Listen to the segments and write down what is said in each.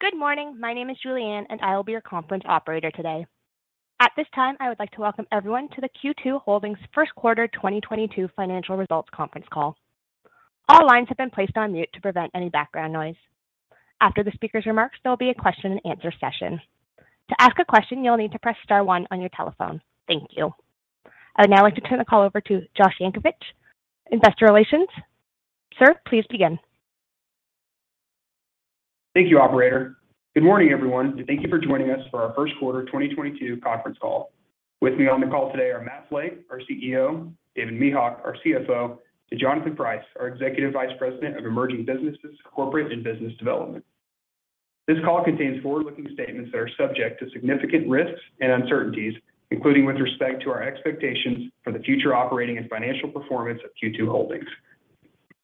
Good morning. My name is Julianne, and I will be your conference operator today. At this time, I would like to welcome everyone to the Q2 Holdings First Quarter 2022 financial results conference call. All lines have been placed on mute to prevent any background noise. After the speaker's remarks, there'll be a question and answer session. To ask a question, you'll need to press star one on your telephone. Thank you. I would now like to turn the call over to Josh Yank, investor relations. Sir, please begin. Thank you, operator. Good morning, everyone, and thank you for joining us for our first quarter 2022 conference call. With me on the call today are Matt Flake, our CEO, David Mehok, our CFO, and Jonathan Price, our Executive Vice President of Emerging Businesses, Corporate, and Business Development. This call contains forward-looking statements that are subject to significant risks and uncertainties, including with respect to our expectations for the future operating and financial performance of Q2 Holdings.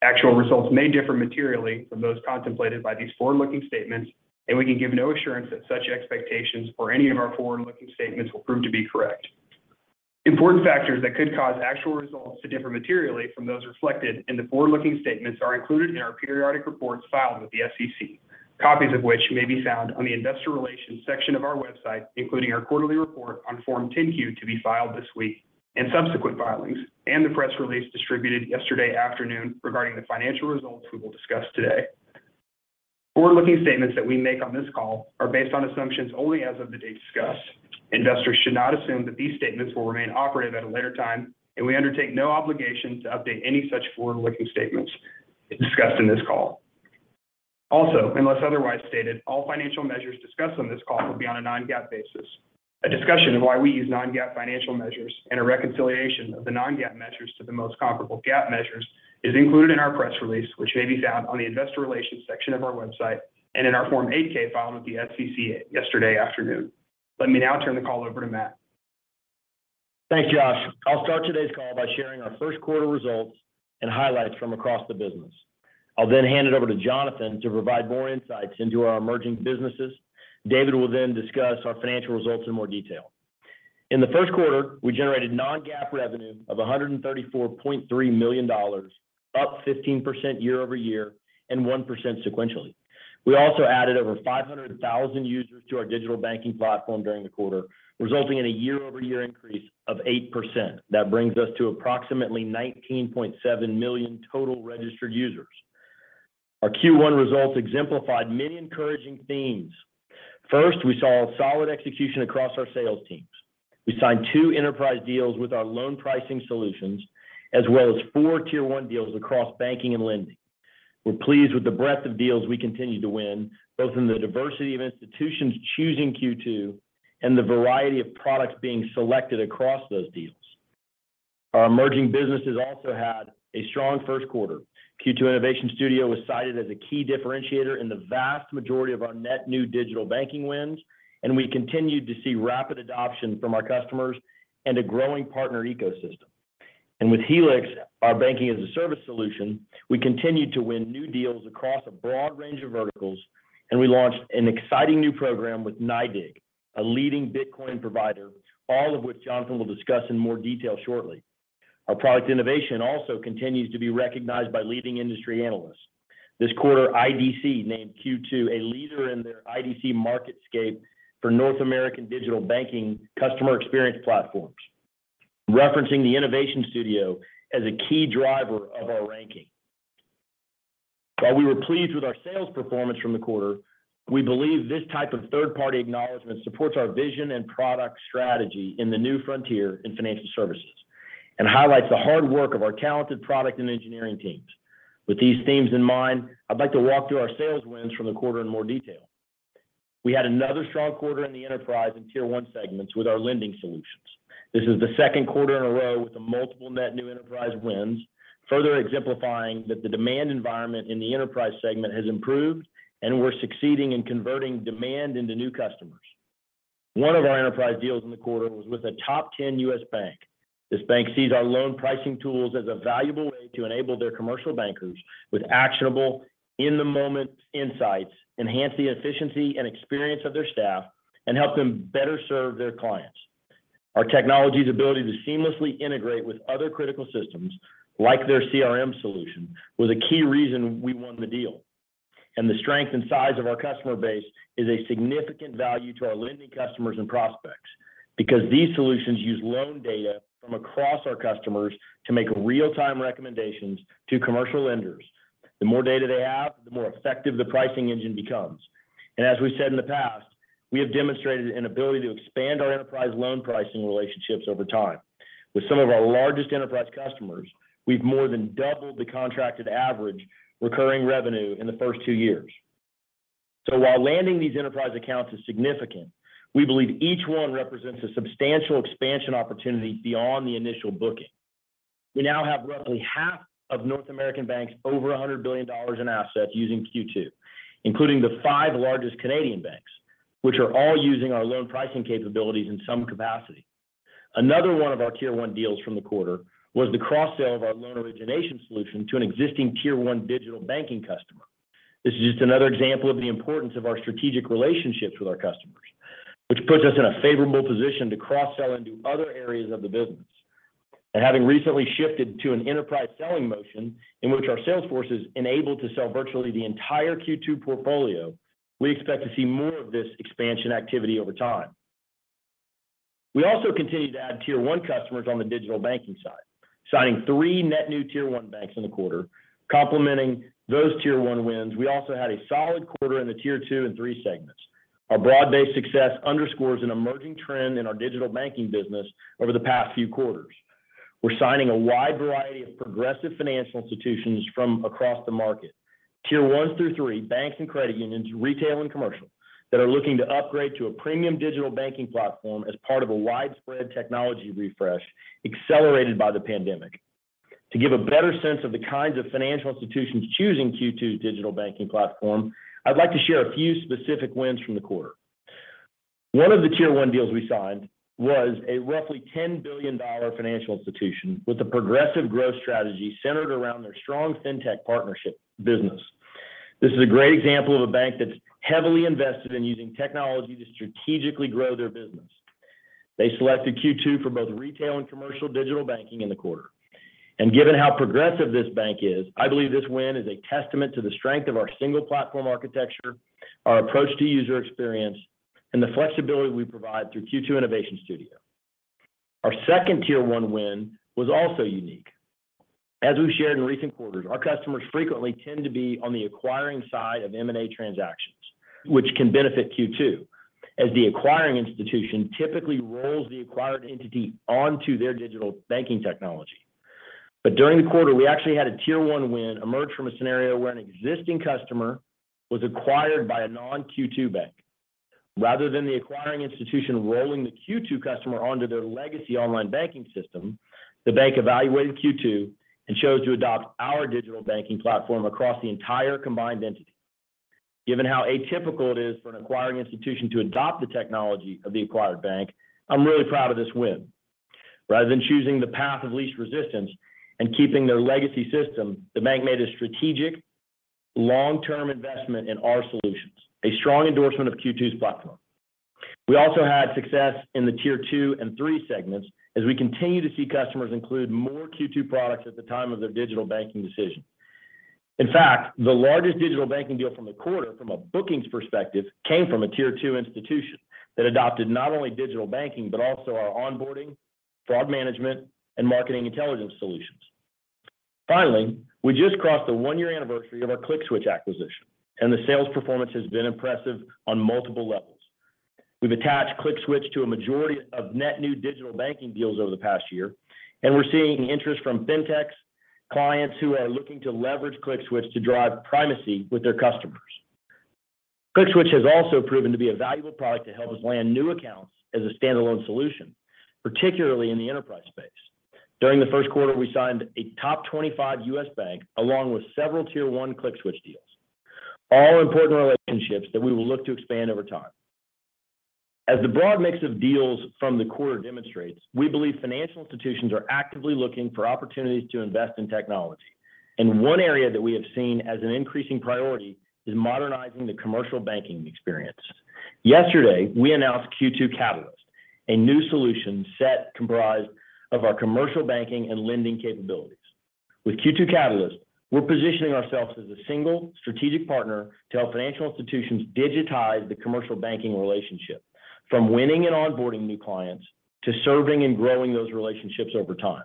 Actual results may differ materially from those contemplated by these forward-looking statements, and we can give no assurance that such expectations for any of our forward-looking statements will prove to be correct. Important factors that could cause actual results to differ materially from those reflected in the forward-looking statements are included in our periodic reports filed with the SEC, copies of which may be found on the investor relations section of our website, including our quarterly report on Form 10-Q to be filed this week and subsequent filings and the press release distributed yesterday afternoon regarding the financial results we will discuss today. Forward-looking statements that we make on this call are based on assumptions only as of the date discussed. Investors should not assume that these statements will remain operative at a later time, and we undertake no obligation to update any such forward-looking statements discussed in this call. Also, unless otherwise stated, all financial measures discussed on this call will be on a non-GAAP basis. A discussion of why we use non-GAAP financial measures and a reconciliation of the non-GAAP measures to the most comparable GAAP measures is included in our press release, which may be found on the investor relations section of our website and in our Form 8-K filed with the SEC yesterday afternoon. Let me now turn the call over to Matt. Thanks, Josh. I'll start today's call by sharing our first quarter results and highlights from across the business. I'll then hand it over to Jonathan to provide more insights into our emerging businesses. David will then discuss our financial results in more detail. In the first quarter, we generated non-GAAP revenue of $134.3 million, up 15% year-over-year and 1% sequentially. We also added over 500,000 users to our digital banking platform during the quarter, resulting in a year-over-year increase of 8%. That brings us to approximately 19.7 million total registered users. Our Q1 results exemplified many encouraging themes. First, we saw a solid execution across our sales teams. We signed 2 enterprise deals with our loan pricing solutions, as well as 4 tier one deals across banking and lending. We're pleased with the breadth of deals we continue to win, both in the diversity of institutions choosing Q2 and the variety of products being selected across those deals. Our emerging businesses also had a strong first quarter. Q2 Innovation Studio was cited as a key differentiator in the vast majority of our net new digital banking wins, and we continued to see rapid adoption from our customers and a growing partner ecosystem. With Helix, our banking-as-a-service solution, we continued to win new deals across a broad range of verticals, and we launched an exciting new program with NYDIG, a leading Bitcoin provider, all of which Jonathan will discuss in more detail shortly. Our product innovation also continues to be recognized by leading industry analysts. This quarter, IDC named Q2 a leader in their IDC MarketScape for North American digital banking customer experience platforms, referencing the Innovation Studio as a key driver of our ranking. While we were pleased with our sales performance from the quarter, we believe this type of third-party acknowledgment supports our vision and product strategy in the new frontier in financial services and highlights the hard work of our talented product and engineering teams. With these themes in mind, I'd like to walk through our sales wins from the quarter in more detail. We had another strong quarter in the enterprise and tier one segments with our lending solutions. This is the second quarter in a row with the multiple net new enterprise wins, further exemplifying that the demand environment in the enterprise segment has improved and we're succeeding in converting demand into new customers. One of our enterprise deals in the quarter was with a top 10 U.S. bank. This bank sees our loan pricing tools as a valuable way to enable their commercial bankers with actionable in-the-moment insights, enhance the efficiency and experience of their staff, and help them better serve their clients. Our technology's ability to seamlessly integrate with other critical systems, like their CRM solution, was a key reason we won the deal. The strength and size of our customer base is a significant value to our lending customers and prospects because these solutions use loan data from across our customers to make real-time recommendations to commercial lenders. The more data they have, the more effective the pricing engine becomes. As we said in the past, we have demonstrated an ability to expand our enterprise loan pricing relationships over time. With some of our largest enterprise customers, we've more than doubled the contracted average recurring revenue in the first 2 years. While landing these enterprise accounts is significant, we believe each one represents a substantial expansion opportunity beyond the initial booking. We now have roughly half of North American banks over $100 billion in assets using Q2, including the 5 largest Canadian banks, which are all using our loan pricing capabilities in some capacity. Another one of our tier one deals from the quarter was the cross-sell of our loan origination solution to an existing tier one digital banking customer. This is just another example of the importance of our strategic relationships with our customers, which puts us in a favorable position to cross-sell into other areas of the business. Having recently shifted to an enterprise selling motion in which our sales force is enabled to sell virtually the entire Q2 portfolio, we expect to see more of this expansion activity over time. We also continue to add tier one customers on the digital banking side, signing 3 net new tier one banks in the quarter. Complementing those tier one wins, we also had a solid quarter in the tier two and three segments. Our broad-based success underscores an emerging trend in our digital banking business over the past few quarters. We're signing a wide variety of progressive financial institutions from across the market, tier one through three banks and credit unions, retail and commercial, that are looking to upgrade to a premium digital banking platform as part of a widespread technology refresh accelerated by the pandemic. To give a better sense of the kinds of financial institutions choosing Q2 Digital Banking Platform, I'd like to share a few specific wins from the quarter. One of the tier one deals we signed was a roughly $10 billion financial institution with a progressive growth strategy centered around their strong fintech partnership business. This is a great example of a bank that's heavily invested in using technology to strategically grow their business. They selected Q2 for both retail and commercial digital banking in the quarter. Given how progressive this bank is, I believe this win is a testament to the strength of our single platform architecture, our approach to user experience, and the flexibility we provide through Q2 Innovation Studio. Our second tier one win was also unique. As we've shared in recent quarters, our customers frequently tend to be on the acquiring side of M&A transactions, which can benefit Q2, as the acquiring institution typically rolls the acquired entity onto their digital banking technology. During the quarter, we actually had a tier one win emerge from a scenario where an existing customer was acquired by a non-Q2 bank. Rather than the acquiring institution rolling the Q2 customer onto their legacy online banking system, the bank evaluated Q2 and chose to adopt our digital banking platform across the entire combined entity. Given how atypical it is for an acquiring institution to adopt the technology of the acquired bank, I'm really proud of this win. Rather than choosing the path of least resistance and keeping their legacy system, the bank made a strategic long-term investment in our solutions, a strong endorsement of Q2's platform. We also had success in the tier two and three segments as we continue to see customers include more Q2 products at the time of their digital banking decision. In fact, the largest digital banking deal from the quarter from a bookings perspective came from a tier two institution that adopted not only digital banking but also our onboarding, fraud management, and marketing intelligence solutions. Finally, we just crossed the one-year anniversary of our ClickSWITCH acquisition, and the sales performance has been impressive on multiple levels. We've attached ClickSWITCH to a majority of net new digital banking deals over the past year, and we're seeing interest from fintechs, clients who are looking to leverage ClickSWITCH to drive primacy with their customers. ClickSWITCH has also proven to be a valuable product to help us land new accounts as a standalone solution, particularly in the enterprise space. During the first quarter, we signed a top 25 U.S. bank along with several tier one ClickSWITCH deals, all important relationships that we will look to expand over time. As the broad mix of deals from the quarter demonstrates, we believe financial institutions are actively looking for opportunities to invest in technology, and one area that we have seen as an increasing priority is modernizing the commercial banking experience. Yesterday, we announced Q2 Catalyst, a new solution set comprised of our commercial banking and lending capabilities. With Q2 Catalyst, we're positioning ourselves as a single strategic partner to help financial institutions digitize the commercial banking relationship from winning and onboarding new clients to serving and growing those relationships over time.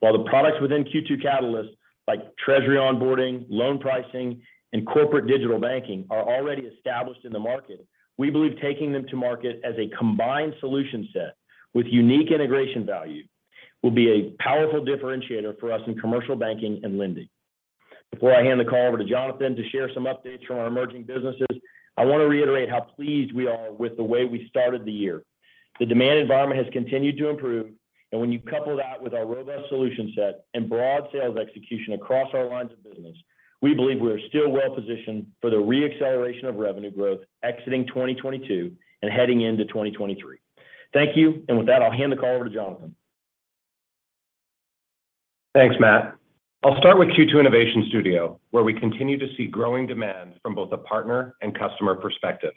While the products within Q2 Catalyst like treasury onboarding, loan pricing, and corporate digital banking are already established in the market, we believe taking them to market as a combined solution set with unique integration value will be a powerful differentiator for us in commercial banking and lending. Before I hand the call over to Jonathan to share some updates from our emerging businesses, I want to reiterate how pleased we are with the way we started the year. The demand environment has continued to improve, and when you couple that with our robust solution set and broad sales execution across our lines of business, we believe we are still well positioned for the re-acceleration of revenue growth exiting 2022 and heading into 2023. Thank you. With that, I'll hand the call over to Jonathan. Thanks, Matt. I'll start with Q2 Innovation Studio, where we continue to see growing demand from both a partner and customer perspective.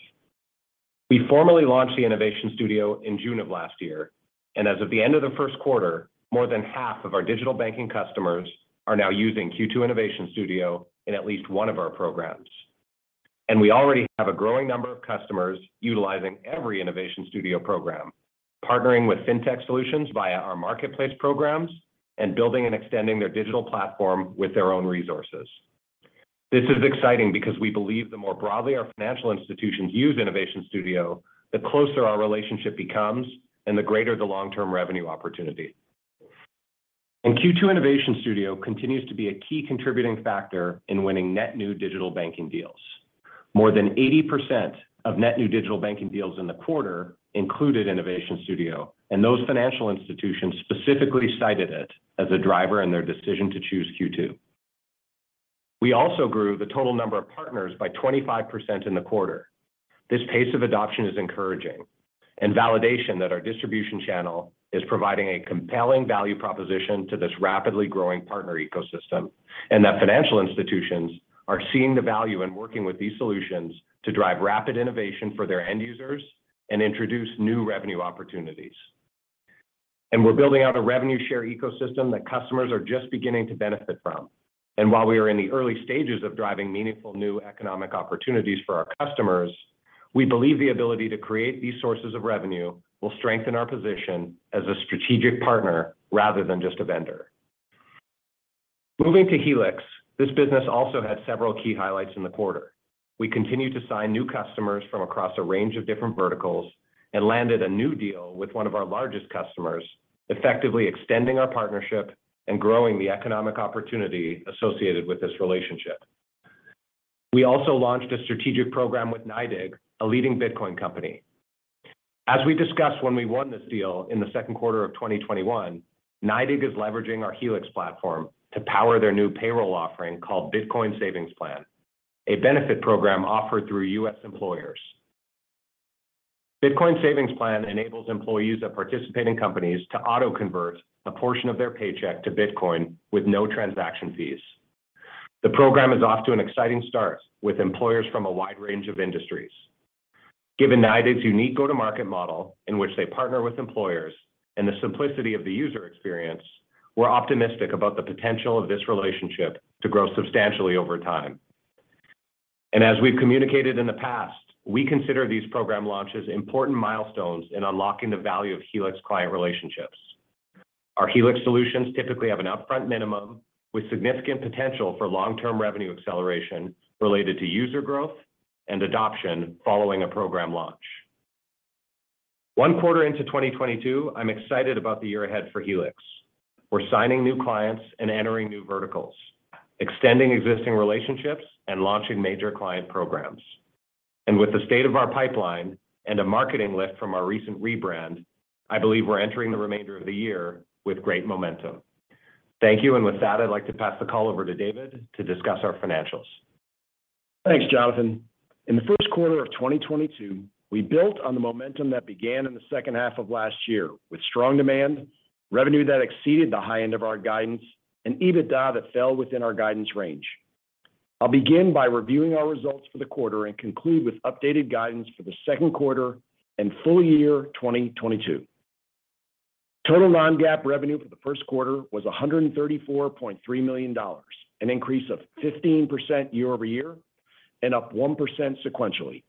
We formally launched the Innovation Studio in June of last year, and as of the end of the first quarter, more than half of our digital banking customers are now using Q2 Innovation Studio in at least one of our programs. We already have a growing number of customers utilizing every Innovation Studio program, partnering with fintech solutions via our marketplace programs and building and extending their digital platform with their own resources. This is exciting because we believe the more broadly our financial institutions use Innovation Studio, the closer our relationship becomes and the greater the long-term revenue opportunity. Q2 Innovation Studio continues to be a key contributing factor in winning net new digital banking deals. More than 80% of net new digital banking deals in the quarter included Innovation Studio, and those financial institutions specifically cited it as a driver in their decision to choose Q2. We also grew the total number of partners by 25% in the quarter. This pace of adoption is encouraging and validation that our distribution channel is providing a compelling value proposition to this rapidly growing partner ecosystem and that financial institutions are seeing the value in working with these solutions to drive rapid innovation for their end users and introduce new revenue opportunities. We're building out a revenue share ecosystem that customers are just beginning to benefit from. While we are in the early stages of driving meaningful new economic opportunities for our customers, we believe the ability to create these sources of revenue will strengthen our position as a strategic partner rather than just a vendor. Moving to Helix, this business also had several key highlights in the quarter. We continued to sign new customers from across a range of different verticals and landed a new deal with one of our largest customers, effectively extending our partnership and growing the economic opportunity associated with this relationship. We also launched a strategic program with NYDIG, a leading Bitcoin company. As we discussed when we won this deal in the second quarter of 2021, NYDIG is leveraging our Helix platform to power their new payroll offering called Bitcoin Savings Plan, a benefit program offered through U.S. employers. Bitcoin Savings Plan enables employees of participating companies to auto-convert a portion of their paycheck to Bitcoin with no transaction fees. The program is off to an exciting start with employers from a wide range of industries. Given NYDIG's unique go-to-market model in which they partner with employers and the simplicity of the user experience, we're optimistic about the potential of this relationship to grow substantially over time. As we've communicated in the past, we consider these program launches important milestones in unlocking the value of Helix client relationships. Our Helix solutions typically have an upfront minimum with significant potential for long-term revenue acceleration related to user growth and adoption following a program launch. One quarter into 2022, I'm excited about the year ahead for Helix. We're signing new clients and entering new verticals, extending existing relationships, and launching major client programs. With the state of our pipeline and a marketing lift from our recent rebrand, I believe we're entering the remainder of the year with great momentum. Thank you. With that, I'd like to pass the call over to David to discuss our financials. Thanks, Jonathan. In the first quarter of 2022, we built on the momentum that began in the second half of last year with strong demand, revenue that exceeded the high end of our guidance, and EBITDA that fell within our guidance range. I'll begin by reviewing our results for the quarter and conclude with updated guidance for the second quarter and full year 2022. Total non-GAAP revenue for the first quarter was $134.3 million, an increase of 15% year-over-year and up 1% sequentially.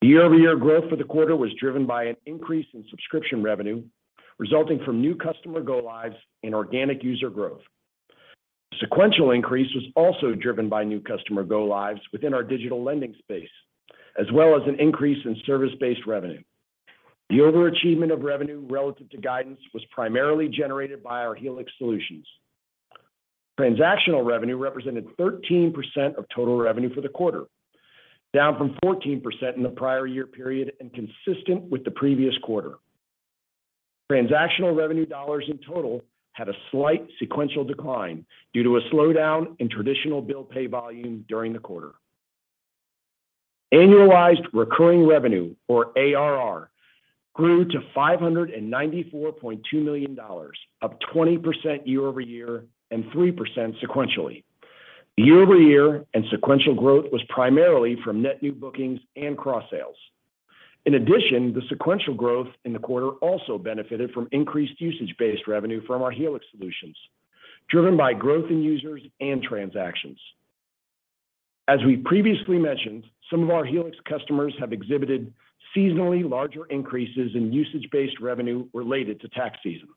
The year-over-year growth for the quarter was driven by an increase in subscription revenue resulting from new customer go lives and organic user growth. Sequential increase was also driven by new customer go lives within our digital lending space, as well as an increase in service-based revenue. The overachievement of revenue relative to guidance was primarily generated by our Helix solutions. Transactional revenue represented 13% of total revenue for the quarter, down from 14% in the prior year period and consistent with the previous quarter. Transactional revenue dollars in total had a slight sequential decline due to a slowdown in traditional bill pay volume during the quarter. Annualized recurring revenue, or ARR, grew to $594.2 million, up 20% year-over-year and 3% sequentially. Year-over-year and sequential growth was primarily from net new bookings and cross sales. In addition, the sequential growth in the quarter also benefited from increased usage-based revenue from our Helix solutions, driven by growth in users and transactions. As we previously mentioned, some of our Helix customers have exhibited seasonally larger increases in usage-based revenue related to tax season.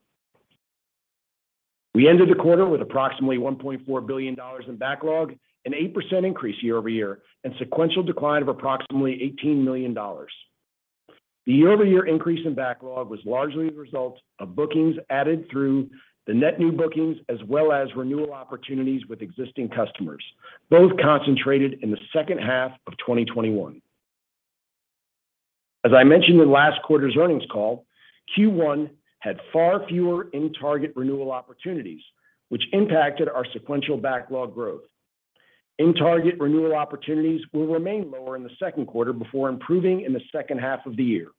We ended the quarter with approximately $1.4 billion in backlog, an 8% increase year-over-year, and sequential decline of approximately $18 million. The year-over-year increase in backlog was largely the result of bookings added through the net new bookings as well as renewal opportunities with existing customers, both concentrated in the second half of 2021. As I mentioned in last quarter's earnings call, Q1 had far fewer in-target renewal opportunities, which impacted our sequential backlog growth. In-target renewal opportunities will remain lower in the second quarter before improving in the second half of the year.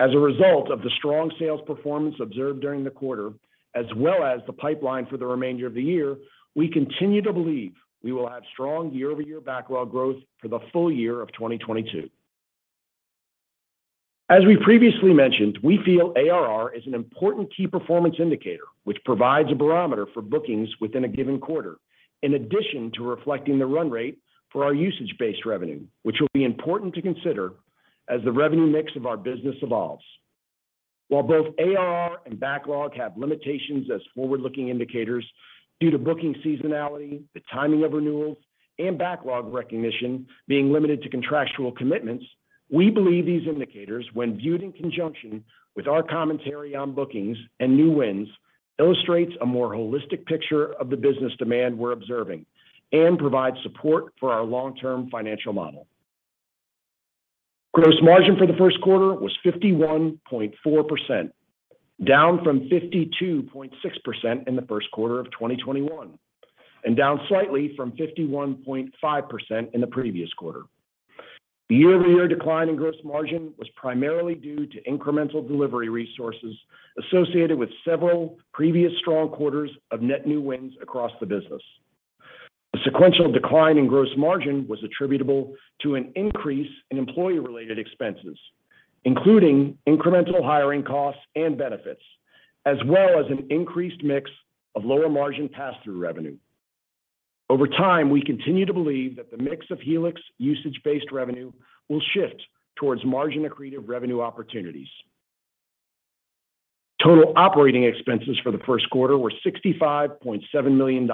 As a result of the strong sales performance observed during the quarter, as well as the pipeline for the remainder of the year, we continue to believe we will have strong year-over-year backlog growth for the full year of 2022. As we previously mentioned, we feel ARR is an important key performance indicator which provides a barometer for bookings within a given quarter, in addition to reflecting the run rate for our usage-based revenue, which will be important to consider as the revenue mix of our business evolves. While both ARR and backlog have limitations as forward-looking indicators due to booking seasonality, the timing of renewals, and backlog recognition being limited to contractual commitments, we believe these indicators, when viewed in conjunction with our commentary on bookings and new wins, illustrates a more holistic picture of the business demand we're observing and provides support for our long-term financial model. Gross margin for the first quarter was 51.4%, down from 52.6% in the first quarter of 2021, and down slightly from 51.5% in the previous quarter. The year-over-year decline in gross margin was primarily due to incremental delivery resources associated with several previous strong quarters of net new wins across the business. The sequential decline in gross margin was attributable to an increase in employee-related expenses, including incremental hiring costs and benefits, as well as an increased mix of lower margin pass-through revenue. Over time, we continue to believe that the mix of Helix usage-based revenue will shift towards margin accretive revenue opportunities. Total operating expenses for the first quarter were $65.7 million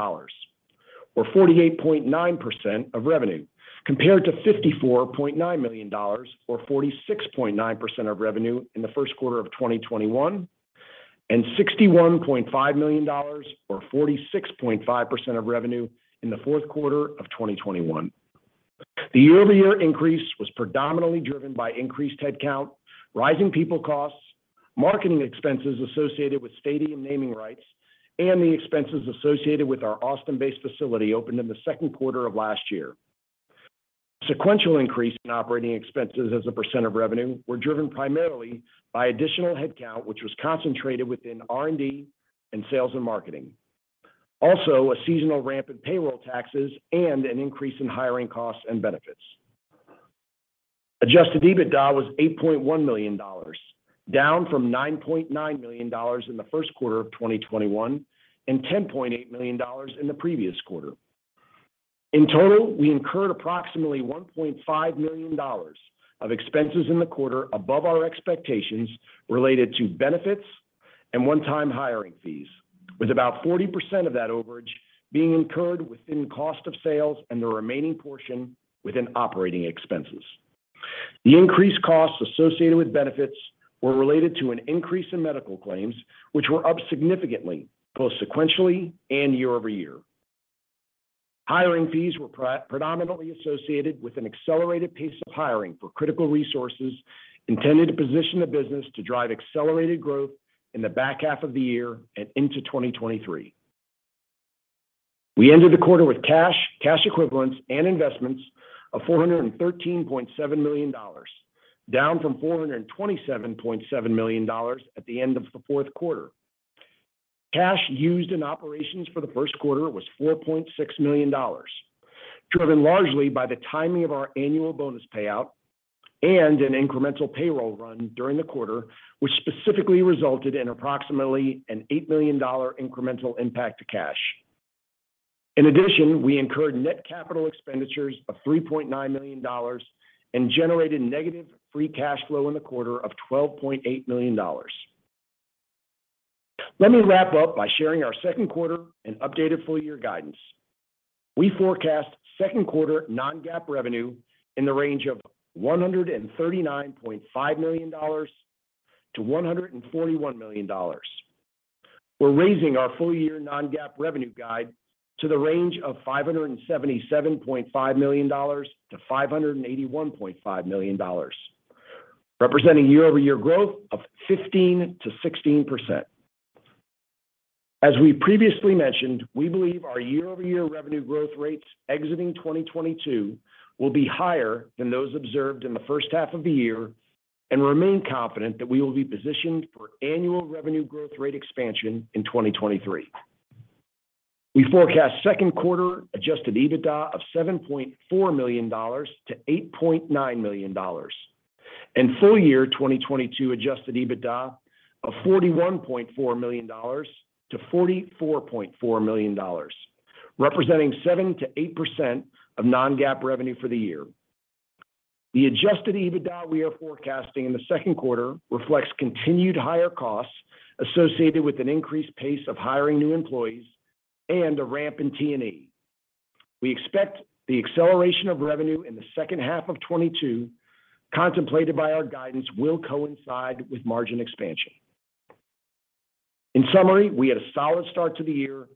or 48.9% of revenue, compared to $54.9 million or 46.9% of revenue in the first quarter of 2021, and $61.5 million or 46.5% of revenue in the fourth quarter of 2021. The year-over-year increase was predominantly driven by increased headcount, rising people costs, marketing expenses associated with stadium naming rights, and the expenses associated with our Austin-based facility opened in the second quarter of last year. Sequential increase in operating expenses as a percent of revenue were driven primarily by additional headcount, which was concentrated within R&D and sales and marketing. Also, a seasonal ramp in payroll taxes and an increase in hiring costs and benefits. Adjusted EBITDA was $8.1 million, down from $9.9 million in the first quarter of 2021 and $10.8 million in the previous quarter. In total, we incurred approximately $1.5 million of expenses in the quarter above our expectations related to benefits and one-time hiring fees, with about 40% of that overage being incurred within cost of sales and the remaining portion within operating expenses. The increased costs associated with benefits were related to an increase in medical claims, which were up significantly, both sequentially and year-over-year. Hiring fees were predominantly associated with an accelerated pace of hiring for critical resources intended to position the business to drive accelerated growth in the back half of the year and into 2023. We ended the quarter with cash equivalents, and investments of $413.7 million, down from $427.7 million at the end of the fourth quarter. Cash used in operations for the first quarter was $4.6 million, driven largely by the timing of our annual bonus payout and an incremental payroll run during the quarter, which specifically resulted in approximately an $8 million incremental impact to cash. In addition, we incurred net capital expenditures of $3.9 million and generated negative free cash flow in the quarter of $12.8 million. Let me wrap up by sharing our second quarter and updated full-year guidance. We forecast second quarter non-GAAP revenue in the range of $139.5 million-$141 million. We're raising our full year non-GAAP revenue guide to the range of $577.5 million-$581.5 million, representing year-over-year growth of 15%-16%. As we previously mentioned, we believe our year-over-year revenue growth rates exiting 2022 will be higher than those observed in the first half of the year and remain confident that we will be positioned for annual revenue growth rate expansion in 2023. We forecast second quarter adjusted EBITDA of $7.4 million-$8.9 million and full year 2022 adjusted EBITDA of $41.4 million-$44.4 million, representing 7%-8% of non-GAAP revenue for the year. The adjusted EBITDA we are forecasting in the second quarter reflects continued higher costs associated with an increased pace of hiring new employees and a ramp in T&E. We expect the acceleration of revenue in the second half of 2022 contemplated by our guidance will coincide with margin expansion. In summary, we had a solid start to the year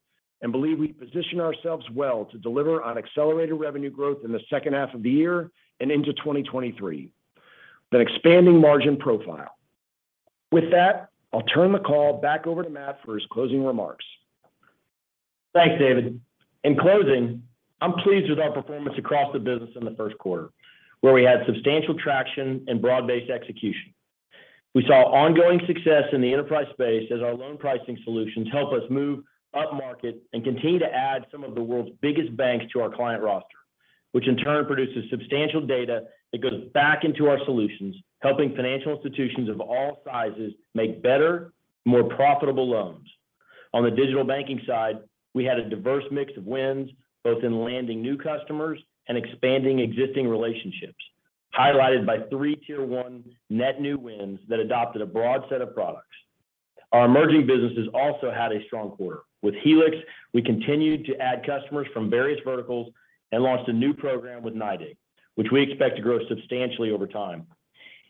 and believe we position ourselves well to deliver on accelerated revenue growth in the second half of the year and into 2023 with an expanding margin profile. With that, I'll turn the call back over to Matt for his closing remarks. Thanks, David. In closing, I'm pleased with our performance across the business in the first quarter, where we had substantial traction and broad-based execution. We saw ongoing success in the enterprise space as our loan pricing solutions help us move upmarket and continue to add some of the world's biggest banks to our client roster, which in turn produces substantial data that goes back into our solutions, helping financial institutions of all sizes make better, more profitable loans. On the digital banking side, we had a diverse mix of wins, both in landing new customers and expanding existing relationships, highlighted by three Tier one net new wins that adopted a broad set of products. Our emerging businesses also had a strong quarter. With Helix, we continued to add customers from various verticals and launched a new program with NYDIG, which we expect to grow substantially over time.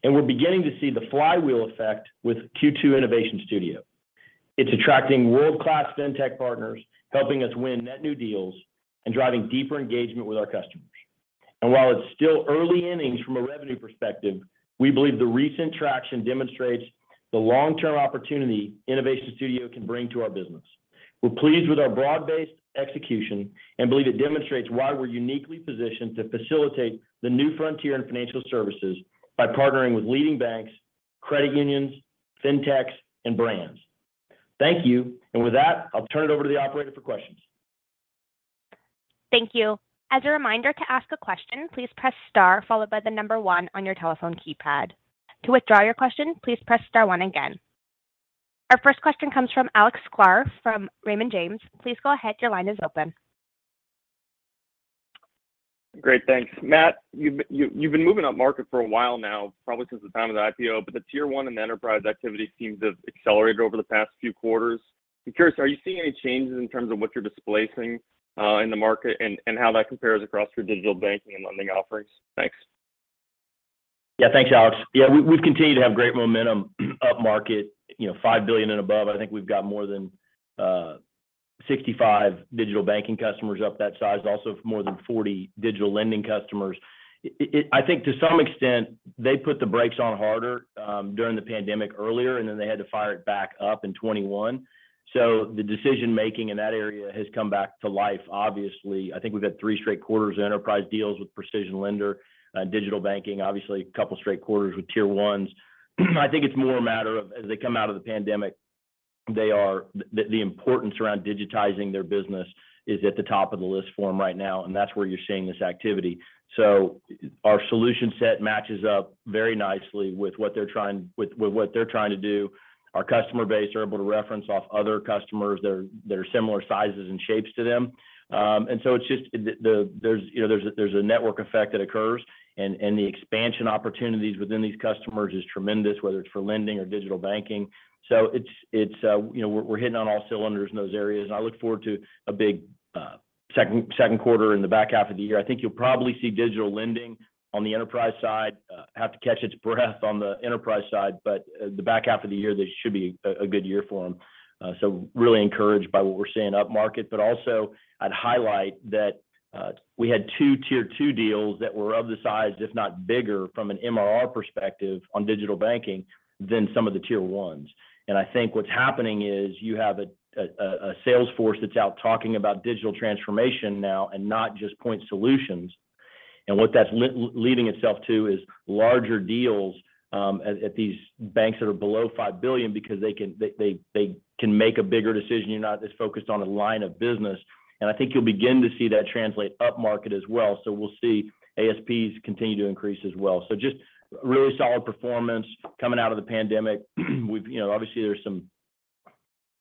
We're beginning to see the flywheel effect with Q2 Innovation Studio. It's attracting world-class fintech partners, helping us win net new deals, and driving deeper engagement with our customers. While it's still early innings from a revenue perspective, we believe the recent traction demonstrates the long-term opportunity Innovation Studio can bring to our business. We're pleased with our broad-based execution and believe it demonstrates why we're uniquely positioned to facilitate the new frontier in financial services by partnering with leading banks, credit unions, fintechs, and brands. Thank you. With that, I'll turn it over to the operator for questions. Thank you. As a reminder, to ask a question, please press star followed by the number one on your telephone keypad. To withdraw your question, please press star one again. Our first question comes from Alexander Sklar from Raymond James. Please go ahead. Your line is open. Great. Thanks. Matt, you've been moving up market for a while now, probably since the time of the IPO, but the tier one and the enterprise activity seems to have accelerated over the past few quarters. I'm curious, are you seeing any changes in terms of what you're displacing in the market and how that compares across your digital banking and lending offerings? Thanks. Yeah. Thanks, Alex. Yeah, we've continued to have great momentum up market, you know, $5 billion and above. I think we've got more than 65 digital banking customers up that size, also more than 40 digital lending customers. It I think to some extent they put the brakes on harder during the pandemic earlier, and then they had to fire it back up in 2021. The decision-making in that area has come back to life, obviously. I think we've had three straight quarters of enterprise deals with PrecisionLender and digital banking, obviously a couple straight quarters with tier ones. I think it's more a matter of as they come out of the pandemic, they are. The importance around digitizing their business is at the top of the list for them right now, and that's where you're seeing this activity. Our solution set matches up very nicely with what they're trying to do. Our customer base are able to reference off other customers that are similar sizes and shapes to them. It's just there's a network effect that occurs and the expansion opportunities within these customers is tremendous, whether it's for lending or digital banking. It's, you know, we're hitting on all cylinders in those areas, and I look forward to a big second quarter in the back half of the year. I think you'll probably see digital lending on the enterprise side have to catch its breath on the enterprise side. The back half of the year, this should be a good year for them. Really encouraged by what we're seeing up market. I'd highlight that we had two tier two deals that were of the size, if not bigger from an MRR perspective on digital banking than some of the tier ones. I think what's happening is you have a sales force that's out talking about digital transformation now and not just point solutions. What that's leading itself to is larger deals at these banks that are below $5 billion because they can make a bigger decision. You're not as focused on a line of business. I think you'll begin to see that translate up market as well. We'll see ASPs continue to increase as well. Just really solid performance coming out of the pandemic. You know, obviously there's some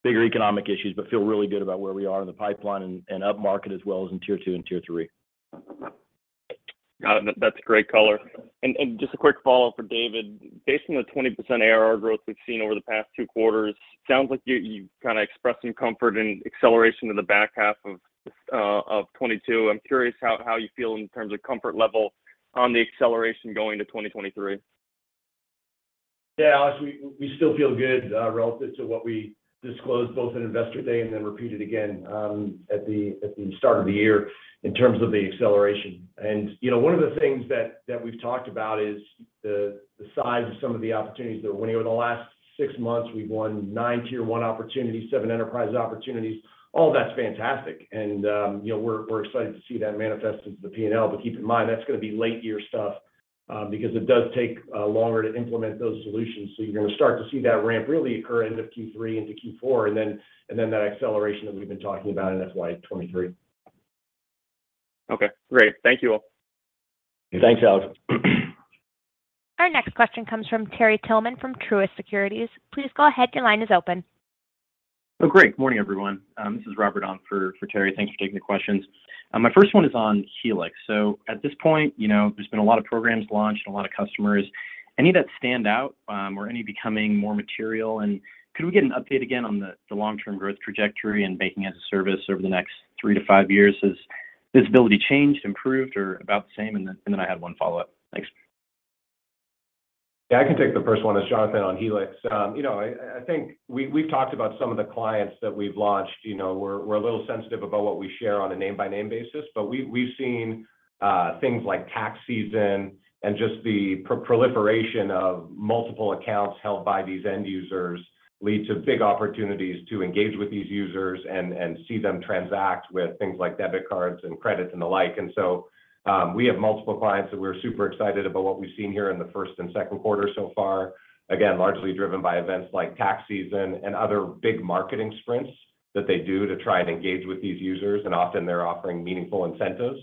bigger economic issues, but feel really good about where we are in the pipeline and up market as well as in tier two and tier three. Got it. That's a great color. Just a quick follow-up for David. Based on the 20% ARR growth we've seen over the past 2 quarters, sounds like you kind of expressing comfort in acceleration in the back half of 2022. I'm curious how you feel in terms of comfort level on the acceleration going to 2023. Yeah. Alex, we still feel good relative to what we disclosed both at Investor Day and then repeated again at the start of the year in terms of the acceleration. You know, one of the things that we've talked about is the size of some of the opportunities that we're winning. Over the last 6 months, we've won 9 tier one opportunities, 7 enterprise opportunities. All that's fantastic. You know, we're excited to see that manifest into the P&L. Keep in mind, that's going to be late year stuff because it does take longer to implement those solutions. You're going to start to see that ramp really occur end of Q3 into Q4, and then that acceleration that we've been talking about and FY 2023. Okay, great. Thank you all. Thanks, Alex. Our next question comes from Terry Tillman from Truist Securities. Please go ahead. Your line is open. Oh, great. Morning, everyone. This is Robert on for Terry. Thanks for taking the questions. My first one is on Helix. At this point, you know, there's been a lot of programs launched and a lot of customers. Any that stand out, or any becoming more material? Could we get an update again on the long-term growth trajectory in banking-as-a-service over the next three to five years? Has visibility changed, improved, or about the same? Then I have one follow-up. Thanks. Yeah, I can take the first one as Jonathan on Helix. You know, I think we've talked about some of the clients that we've launched. You know, we're a little sensitive about what we share on a name-by-name basis, but we've seen things like tax season and just the proliferation of multiple accounts held by these end users lead to big opportunities to engage with these users and see them transact with things like debit cards and credits and the like. We have multiple clients that we're super excited about what we've seen here in the first and second quarter so far. Again, largely driven by events like tax season and other big marketing sprints that they do to try and engage with these users, and often they're offering meaningful incentives.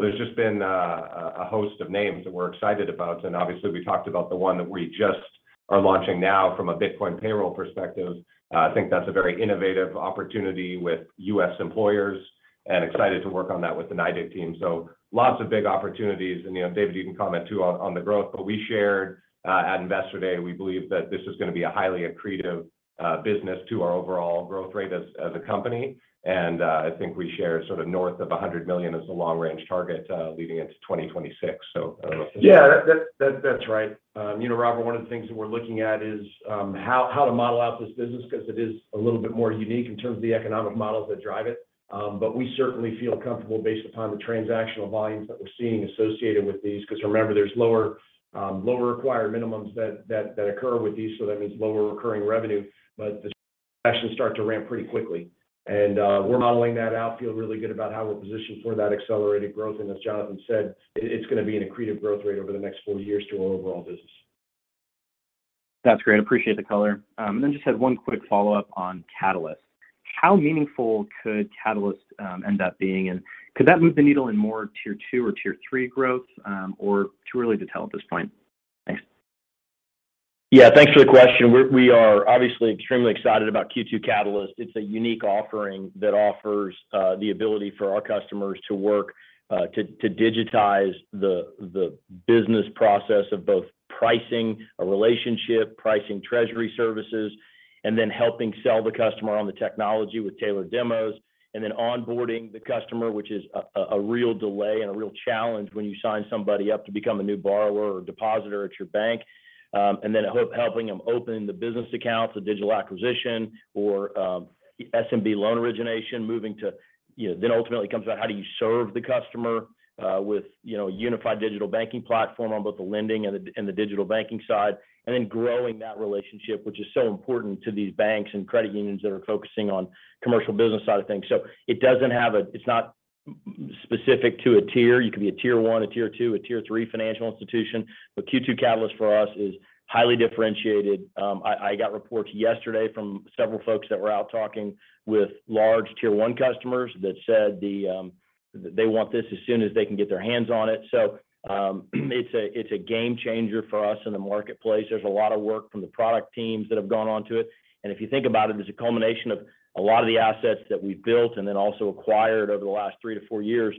There's just been a host of names that we're excited about. Obviously, we talked about the one that we just are launching now from a Bitcoin payroll perspective. I think that's a very innovative opportunity with U.S. employers and excited to work on that with the NYDIG team. Lots of big opportunities. You know, David, you can comment too on the growth, but we shared at Investor Day, we believe that this is going to be a highly accretive business to our overall growth rate as a company. I think we share sort of north of $100 million as the long-range target leading into 2026. I don't know if this Yeah, that's right. You know, Robert, one of the things that we're looking at is how to model out this business because it is a little bit more unique in terms of the economic models that drive it. But we certainly feel comfortable based upon the transactional volumes that we're seeing associated with these, because remember, there's lower required minimums that occur with these, so that means lower recurring revenue. But they actually start to ramp pretty quickly. We're modeling that out, feel really good about how we're positioned for that accelerated growth. As Jonathan said, it's going to be an accretive growth rate over the next four years to our overall business. That's great. Appreciate the color. Then I just had one quick follow-up on Catalyst. How meaningful could Catalyst end up being? Could that move the needle in more tier two or tier three growth, or too early to tell at this point? Thanks. Yeah, thanks for the question. We are obviously extremely excited about Q2 Catalyst. It's a unique offering that offers the ability for our customers to work to digitize the business process of both pricing a relationship, pricing treasury services, and then helping sell the customer on the technology with tailored demos, and then onboarding the customer, which is a real delay and a real challenge when you sign somebody up to become a new borrower or depositor at your bank. Helping them open the business accounts, the digital acquisition or SMB loan origination, moving to, you know, then ultimately comes down to how do you serve the customer with, you know, unified digital banking platform on both the lending and the digital banking side, and then growing that relationship, which is so important to these banks and credit unions that are focusing on commercial business side of things. It's not specific to a tier. You could be a tier one, a tier two, a tier three financial institution, but Q2 Catalyst for us is highly differentiated. I got reports yesterday from several folks that were out talking with large tier one customers that said they want this as soon as they can get their hands on it. It's a game changer for us in the marketplace. There's a lot of work from the product teams that have gone onto it. If you think about it's a culmination of a lot of the assets that we've built and then also acquired over the last 3-4 years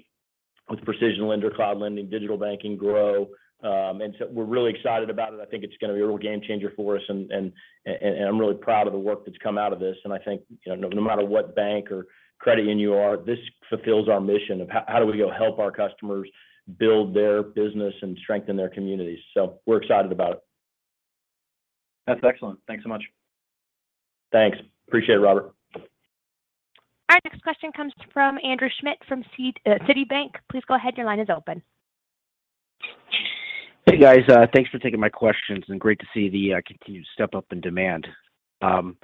with PrecisionLender, Cloud Lending, digital banking grow. We're really excited about it. I think it's gonna be a real game changer for us and I'm really proud of the work that's come out of this. I think, you know, no matter what bank or credit union you are, this fulfills our mission of how do we go help our customers build their business and strengthen their communities. We're excited about it. That's excellent. Thanks so much. Thanks. Appreciate it, Robert. Our next question comes from Andrew Schmidt from Citi. Please go ahead. Your line is open. Hey, guys. Thanks for taking my questions and great to see the continued step up in demand. On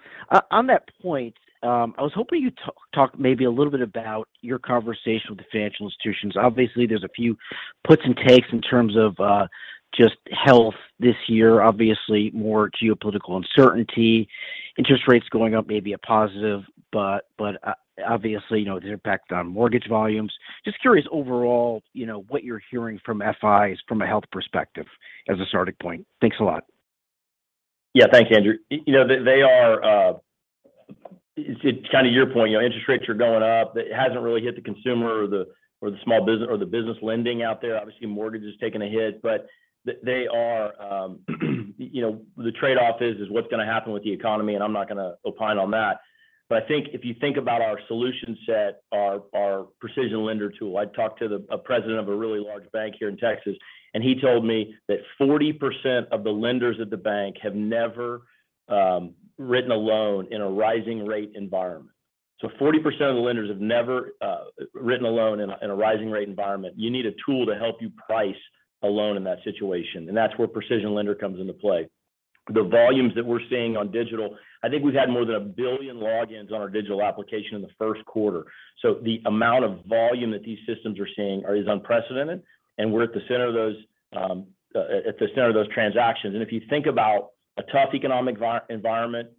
that point, I was hoping you talk maybe a little bit about your conversation with the financial institutions. Obviously, there's a few puts and takes in terms of just health this year, obviously more geopolitical uncertainty. Interest rates going up may be a positive, but obviously, you know, the impact on mortgage volumes. Just curious overall, you know, what you're hearing from FIs from a health perspective as a starting point. Thanks a lot. Yeah. Thanks, Andrew. You know, they are. It's kind of your point. You know, interest rates are going up. It hasn't really hit the consumer or the small business or the business lending out there. Obviously, mortgage has taken a hit, but they are, you know, the trade-off is what's gonna happen with the economy, and I'm not gonna opine on that. I think if you think about our solution set, our PrecisionLender tool, I talked to a president of a really large bank here in Texas, and he told me that 40% of the lenders at the bank have never written a loan in a rising rate environment. 40% of the lenders have never written a loan in a rising rate environment. You need a tool to help you price a loan in that situation, and that's where PrecisionLender comes into play. The volumes that we're seeing on digital, I think we've had more than 1 billion logins on our digital application in the first quarter. The amount of volume that these systems are seeing is unprecedented, and we're at the center of those transactions. If you think about a tough economic environment,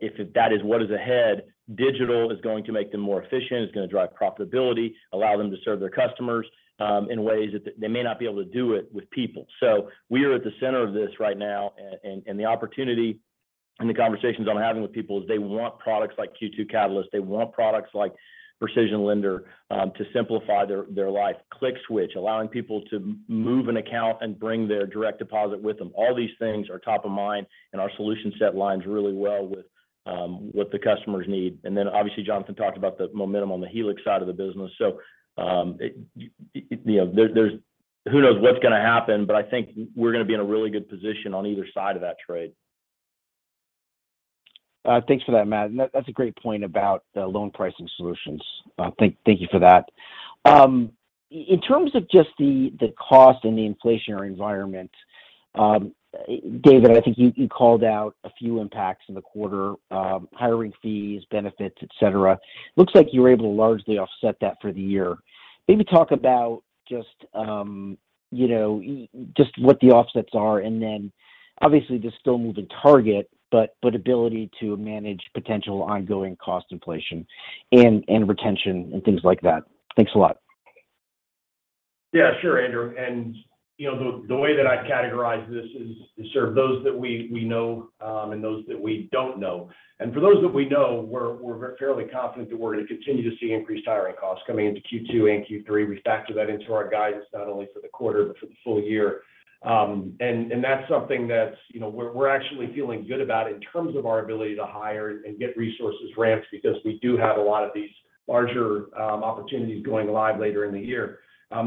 if that is what is ahead, digital is going to make them more efficient, it's gonna drive profitability, allow them to serve their customers in ways that they may not be able to do it with people. We are at the center of this right now and the opportunity and the conversations I'm having with people is they want products like Q2 Catalyst. They want products like PrecisionLender to simplify their life. ClickSWITCH, allowing people to move an account and bring their direct deposit with them. All these things are top of mind, and our solution set lines really well with what the customers need. Then obviously Jonathan talked about the momentum on the Helix side of the business. You know, who knows what's gonna happen, but I think we're gonna be in a really good position on either side of that trade. Thanks for that, Matt. That, that's a great point about the loan pricing solutions. Thank you for that. In terms of just the cost and the inflationary environment, David, I think you called out a few impacts in the quarter, hiring fees, benefits, et cetera. Looks like you were able to largely offset that for the year. Maybe talk about just, you know, just what the offsets are and then obviously there's still a moving target, but ability to manage potential ongoing cost inflation and retention and things like that. Thanks a lot. Yeah, sure, Andrew. You know, the way that I categorize this is sort of those that we know, and those that we don't know. For those that we know, we're fairly confident that we're gonna continue to see increased hiring costs coming into Q2 and Q3. We factor that into our guidance not only for the quarter, but for the full year. That's something that, you know, we're actually feeling good about in terms of our ability to hire and get resources ramped because we do have a lot of these larger opportunities going live later in the year.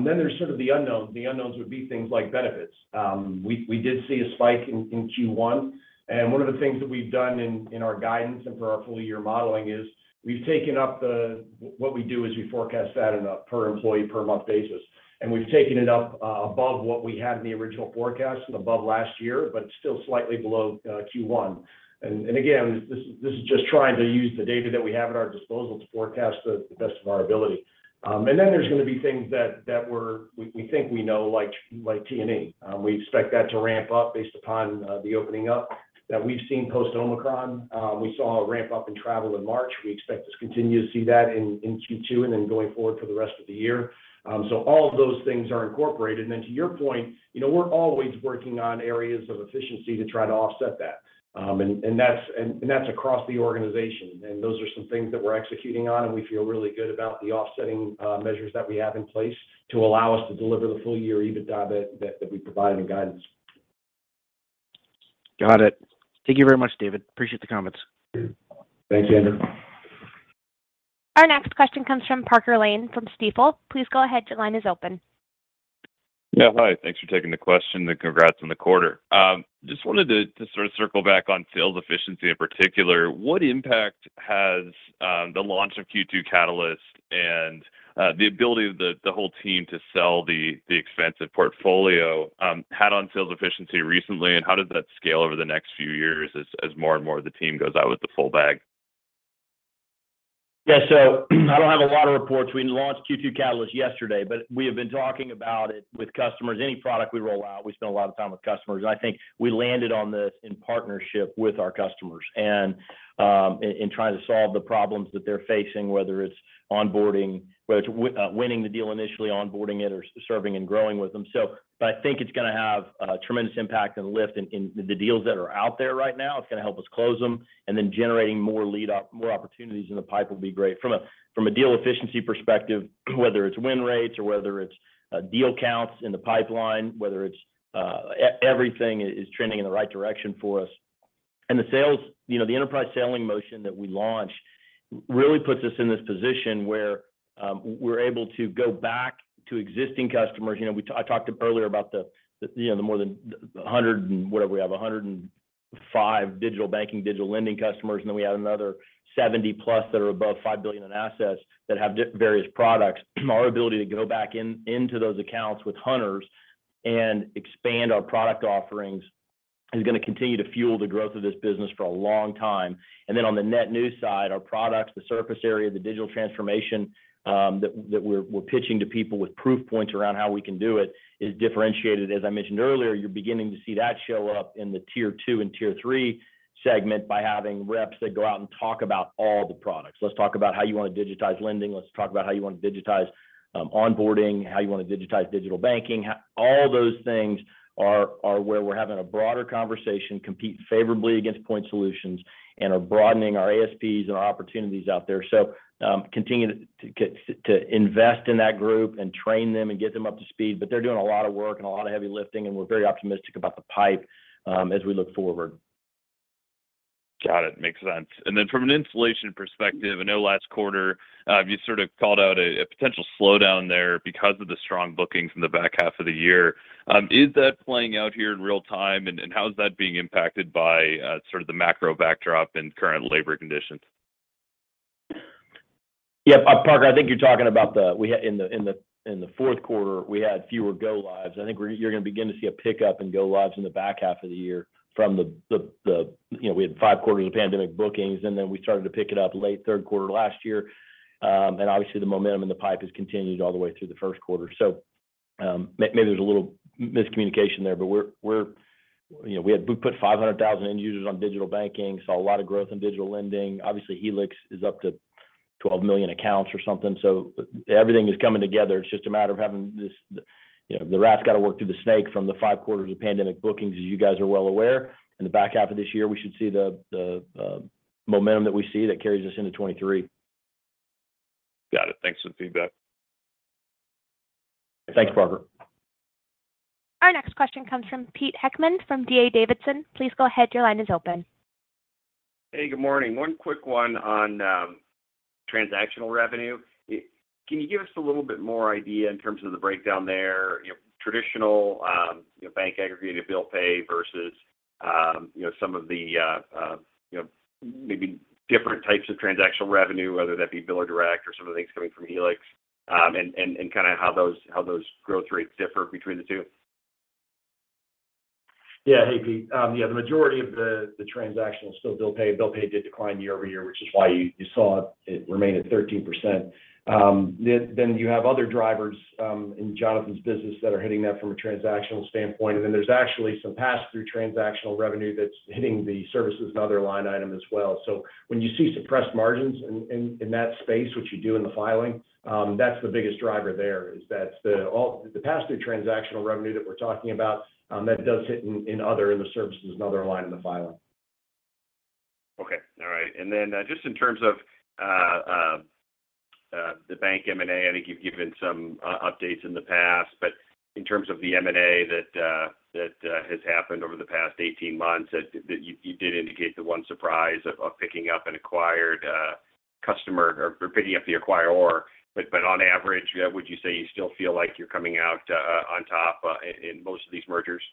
There's sort of the unknown. The unknowns would be things like benefits. We did see a spike in Q1, and one of the things that we've done in our guidance and for our full year modeling is what we do is we forecast that in a per employee per month basis, and we've taken it up above what we had in the original forecast and above last year, but still slightly below Q1. Again, this is just trying to use the data that we have at our disposal to forecast to the best of our ability. Then there's gonna be things that we think we know, like T&E. We expect that to ramp up based upon the opening up that we've seen post-Omicron. We saw a ramp up in travel in March. We expect to continue to see that in Q2 and then going forward for the rest of the year. All of those things are incorporated. To your point, you know, we're always working on areas of efficiency to try to offset that. That's across the organization. Those are some things that we're executing on, and we feel really good about the offsetting measures that we have in place to allow us to deliver the full year EBITDA that we provided in guidance. Got it. Thank you very much, David. Appreciate the comments. Thank you, Andrew. Our next question comes from Parker Lane from Stifel. Please go ahead, your line is open. Yeah. Hi. Thanks for taking the question, and congrats on the quarter. Just wanted to sort of circle back on sales efficiency in particular. What impact has the launch of Q2 Catalyst and the ability of the whole team to sell the expensive portfolio had on sales efficiency recently, and how does that scale over the next few years as more and more of the team goes out with the full bag? Yeah, I don't have a lot of reports. We launched Q2 Catalyst yesterday, but we have been talking about it with customers. Any product we roll out, we spend a lot of time with customers. I think we landed on this in partnership with our customers and in trying to solve the problems that they're facing, whether it's onboarding, whether it's winning the deal initially, onboarding it, or serving and growing with them. I think it's gonna have a tremendous impact and lift in the deals that are out there right now. It's gonna help us close them, and then generating more opportunities in the pipe will be great. From a deal efficiency perspective, whether it's win rates or whether it's deal counts in the pipeline, whether it's everything is trending in the right direction for us. The sales, you know, the enterprise selling motion that we launched really puts us in this position where we're able to go back to existing customers. You know, I talked earlier about the, you know, the more than a hundred and whatever we have, 105 digital banking, digital lending customers, and then we have another 70+ that are above $5 billion in assets that have various products. Our ability to go back into those accounts with hunters and expand our product offerings is gonna continue to fuel the growth of this business for a long time. On the net new side, our products, the surface area, the digital transformation that we're pitching to people with proof points around how we can do it is differentiated. As I mentioned earlier, you're beginning to see that show up in the tier two and tier three segment by having reps that go out and talk about all the products. Let's talk about how you want to digitize lending. Let's talk about how you want to digitize onboarding, how you want to digitize digital banking. All those things are where we're having a broader conversation, compete favorably against point solutions, and are broadening our ASPs and our opportunities out there. Continue to invest in that group and train them and get them up to speed. They're doing a lot of work and a lot of heavy lifting, and we're very optimistic about the pipe, as we look forward. Got it. Makes sense. From an installation perspective, I know last quarter, you sort of called out a potential slowdown there because of the strong bookings in the back half of the year. Is that playing out here in real time, and how is that being impacted by sort of the macro backdrop and current labor conditions? Yeah. Parker, I think you're talking about the fourth quarter. We had fewer go lives. I think you're gonna begin to see a pickup in go lives in the back half of the year from the, you know, we had 5 quarters of pandemic bookings, and then we started to pick it up late third quarter last year. And obviously the momentum in the pipe has continued all the way through the first quarter. Maybe there's a little miscommunication there, but we're, you know, we put 500,000 end users on digital banking, saw a lot of growth in digital lending. Obviously, Helix is up to 12 million accounts or something. So everything is coming together. It's just a matter of having this, you know, the rats got to work through the snake from the five quarters of pandemic bookings, as you guys are well aware. In the back half of this year, we should see the momentum that we see that carries us into 2023. Got it. Thanks for the feedback. Thanks, Parker. Our next question comes from Pete Heckmann from D.A. Davidson. Please go ahead. Your line is open. Hey, good morning. One quick one on transactional revenue. Can you give us a little bit more idea in terms of the breakdown there, you know, traditional, you know, bank aggregated bill pay versus, you know, some of the, you know, maybe different types of transactional revenue, whether that be bill or direct or some of the things coming from Helix, and kind of how those growth rates differ between the two? Yeah. Hey, Pete. Yeah, the majority of the transactional is still bill pay. Bill pay did decline year-over-year, which is why you saw it remain at 13%. Then you have other drivers in Jonathan's business that are hitting that from a transactional standpoint. There's actually some pass-through transactional revenue that's hitting the services and other line item as well. When you see suppressed margins in that space, which you do in the filing, that's the biggest driver there. That's the pass-through transactional revenue that we're talking about, that does hit in other in the services and other line in the filing. Okay. All right. Just in terms of the bank M&A, I think you've given some updates in the past, but in terms of the M&A that has happened over the past 18 months, you did indicate the one surprise of picking up an acquired customer or picking up the acquirer. On average, would you say you still feel like you're coming out on top in most of these mergers?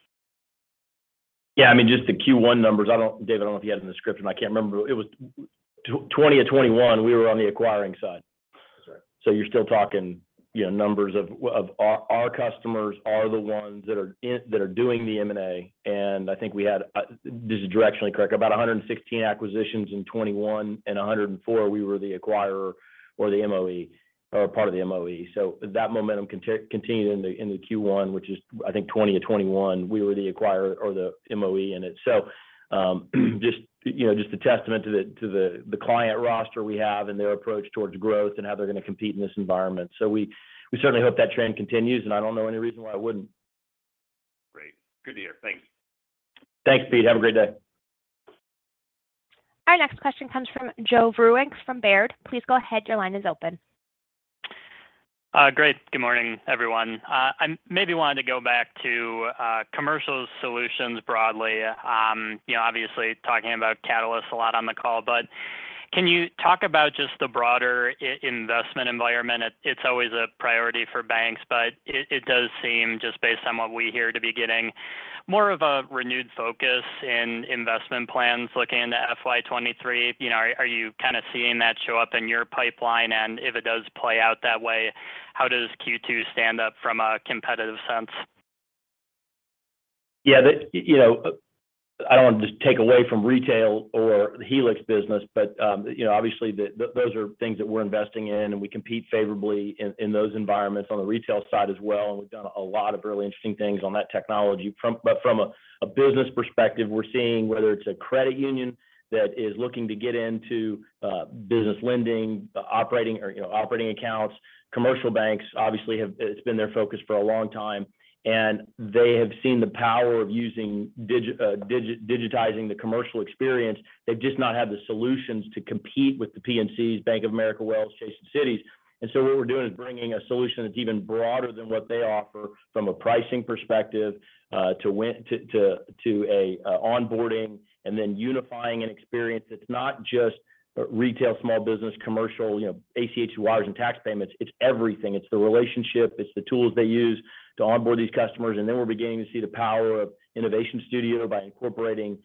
Yeah. I mean, just the Q1 numbers. David, I don't know if you have the description. I can't remember. It was 20 or 21, we were on the acquiring side. That's right. You're still talking, you know, numbers of our customers are the ones that are doing the M&A. I think we had, this is directionally correct, about 116 acquisitions in 2021, and 104 we were the acquirer or the MOE or part of the MOE. That momentum continued in the Q1, which is I think 20 or 21, we were the acquirer or the MOE in it. Just, you know, a testament to the client roster we have and their approach towards growth and how they're going to compete in this environment. We certainly hope that trend continues, and I don't know any reason why it wouldn't. Great. Good to hear. Thanks. Thanks, Pete. Have a great day. Our next question comes from Joe Vruwink from Baird. Please go ahead. Your line is open. Great. Good morning, everyone. I maybe wanted to go back to commercial solutions broadly. You know, obviously talking about Catalyst a lot on the call, but can you talk about just the broader investment environment? It's always a priority for banks, but it does seem just based on what we hear to be getting more of a renewed focus in investment plans looking into FY 2023. You know, are you kind of seeing that show up in your pipeline? If it does play out that way, how does Q2 stand up from a competitive sense? Yeah. You know, I don't want to just take away from retail or the Helix business, but you know, obviously those are things that we're investing in, and we compete favorably in those environments on the retail side as well. We've done a lot of really interesting things on that technology. But from a business perspective, we're seeing whether it's a credit union that is looking to get into business lending, operating accounts. Commercial banks obviously. It's been their focus for a long time, and they have seen the power of using digitizing the commercial experience. They've just not had the solutions to compete with the PNCs, Bank of America, Wells Fargo, Chase, and Citi. What we're doing is bringing a solution that's even broader than what they offer from a pricing perspective, to a onboarding and then unifying an experience that's not just retail, small business, commercial, you know, ACH wires and tax payments. It's everything. It's the relationship. It's the tools they use to onboard these customers. We're beginning to see the power of Innovation Studio by incorporating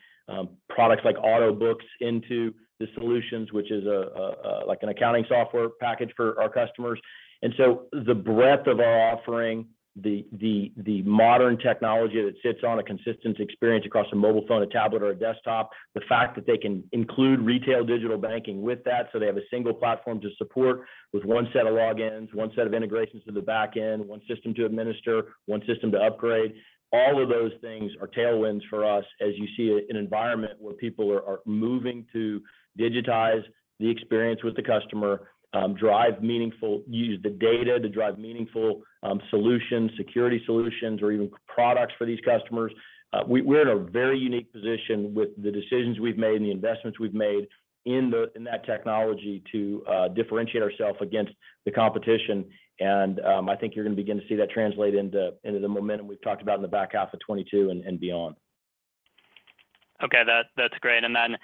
products like Autobooks into the solutions, which is a like an accounting software package for our customers. The breadth of our offering, the modern technology that sits on a consistent experience across a mobile phone, a tablet, or a desktop. The fact that they can include retail digital banking with that, so they have a single platform to support with one set of logins, one set of integrations to the back end, one system to administer, one system to upgrade. All of those things are tailwinds for us as you see an environment where people are moving to digitize the experience with the customer, use the data to drive meaningful solutions, security solutions, or even products for these customers. We're in a very unique position with the decisions we've made and the investments we've made in that technology to differentiate ourselves against the competition. I think you're gonna begin to see that translate into the momentum we've talked about in the back half of 2022 and beyond. Okay. That's great. Then,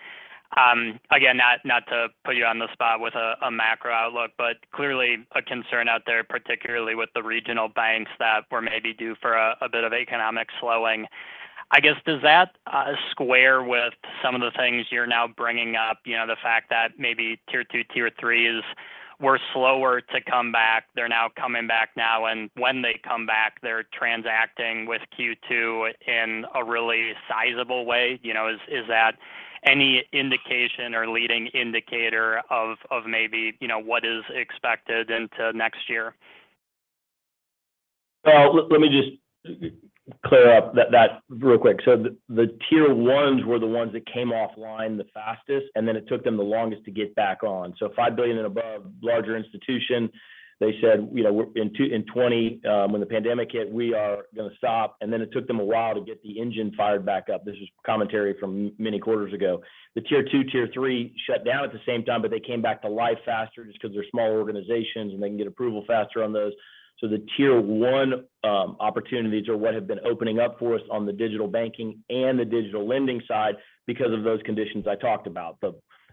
again, not to put you on the spot with a macro outlook, but clearly a concern out there, particularly with the regional banks that were maybe due for a bit of economic slowing. I guess, does that square with some of the things you're now bringing up? You know, the fact that maybe tier two, tier threes were slower to come back. They're now coming back now, and when they come back, they're transacting with Q2 in a really sizable way. You know, is that any indication or leading indicator of maybe, you know, what is expected into next year? Well, let me just clear up that real quick. The tier ones were the ones that came offline the fastest, and then it took them the longest to get back on. $5 billion and above larger institution, they said, you know, we're in 2020, when the pandemic hit, we are gonna stop, and then it took them a while to get the engine fired back up. This is commentary from many quarters ago. The tier two, tier three shut down at the same time, but they came back to life faster just because they're smaller organizations, and they can get approval faster on those. The tier one opportunities are what have been opening up for us on the digital banking and the digital lending side because of those conditions I talked about.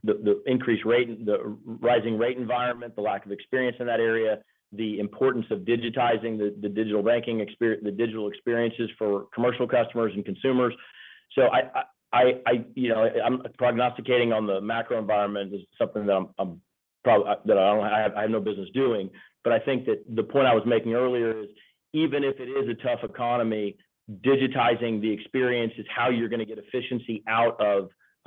The increased rate, the rising rate environment, the lack of experience in that area, the importance of digitizing the digital experiences for commercial customers and consumers. You know, I'm prognosticating on the macro environment is something that I have no business doing. I think that the point I was making earlier is even if it is a tough economy, digitizing the experience is how you're gonna get efficiency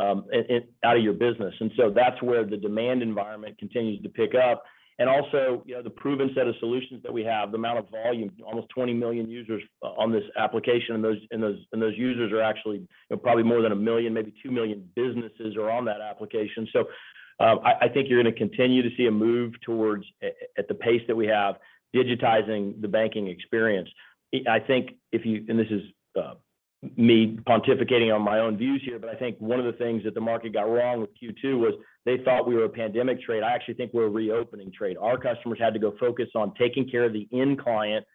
out of your business. That's where the demand environment continues to pick up. Also, you know, the proven set of solutions that we have, the amount of volume, almost 20 million users on this application. Those users are actually probably more than 1 million, maybe 2 million businesses are on that application. I think you're gonna continue to see a move towards at the pace that we have, digitizing the banking experience. This is me pontificating on my own views here, but I think one of the things that the market got wrong with Q2 was they thought we were a pandemic trade. I actually think we're a reopening trade. Our customers had to go focus on taking care of the end client,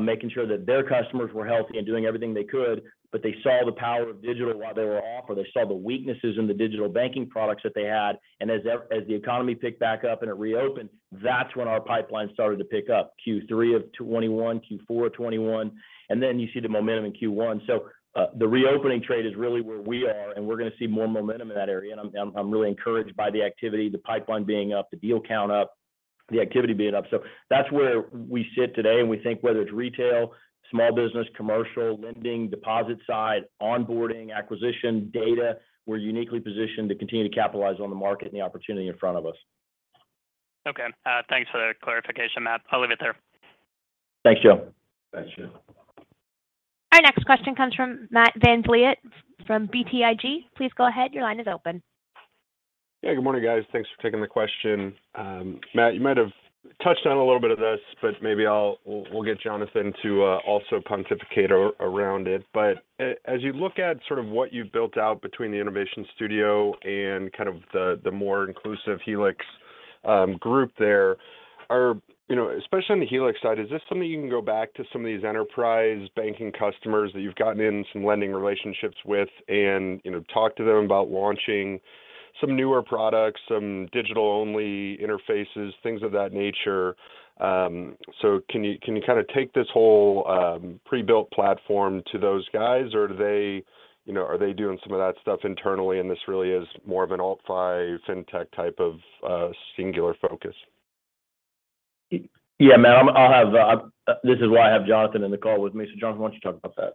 making sure that their customers were healthy and doing everything they could, but they saw the power of digital while they were off, or they saw the weaknesses in the digital banking products that they had. As the economy picked back up and it reopened, that's when our pipeline started to pick up. Q3 of 2021, Q4 of 2021, and then you see the momentum in Q1. The reopening trade is really where we are, and we're gonna see more momentum in that area. I'm really encouraged by the activity, the pipeline being up, the deal count up, the activity being up. That's where we sit today, and we think whether it's retail, small business, commercial, lending, deposit side, onboarding, acquisition, data, we're uniquely positioned to continue to capitalize on the market and the opportunity in front of us. Okay. Thanks for the clarification, Matt. I'll leave it there. Thanks, Joe. Our next question comes from Matt VanVliet from BTIG. Please go ahead. Your line is open. Yeah. Good morning, guys. Thanks for taking the question. Matt, you might have touched on a little bit of this, but maybe we'll get Jonathan to also pontificate around it. As you look at sort of what you've built out between the Innovation Studio and kind of the more inclusive Helix group there, you know, especially on the Helix side, is this something you can go back to some of these enterprise banking customers that you've gotten in some lending relationships with and, you know, talk to them about launching some newer products, some digital-only interfaces, things of that nature? Can you kind of take this whole pre-built platform to those guys, or do they, you know, are they doing some of that stuff internally and this really is more of an alt-fi, fintech type of singular focus? Yeah, Matt, this is why I have Jonathan in the call with me. Jonathan, why don't you talk about that?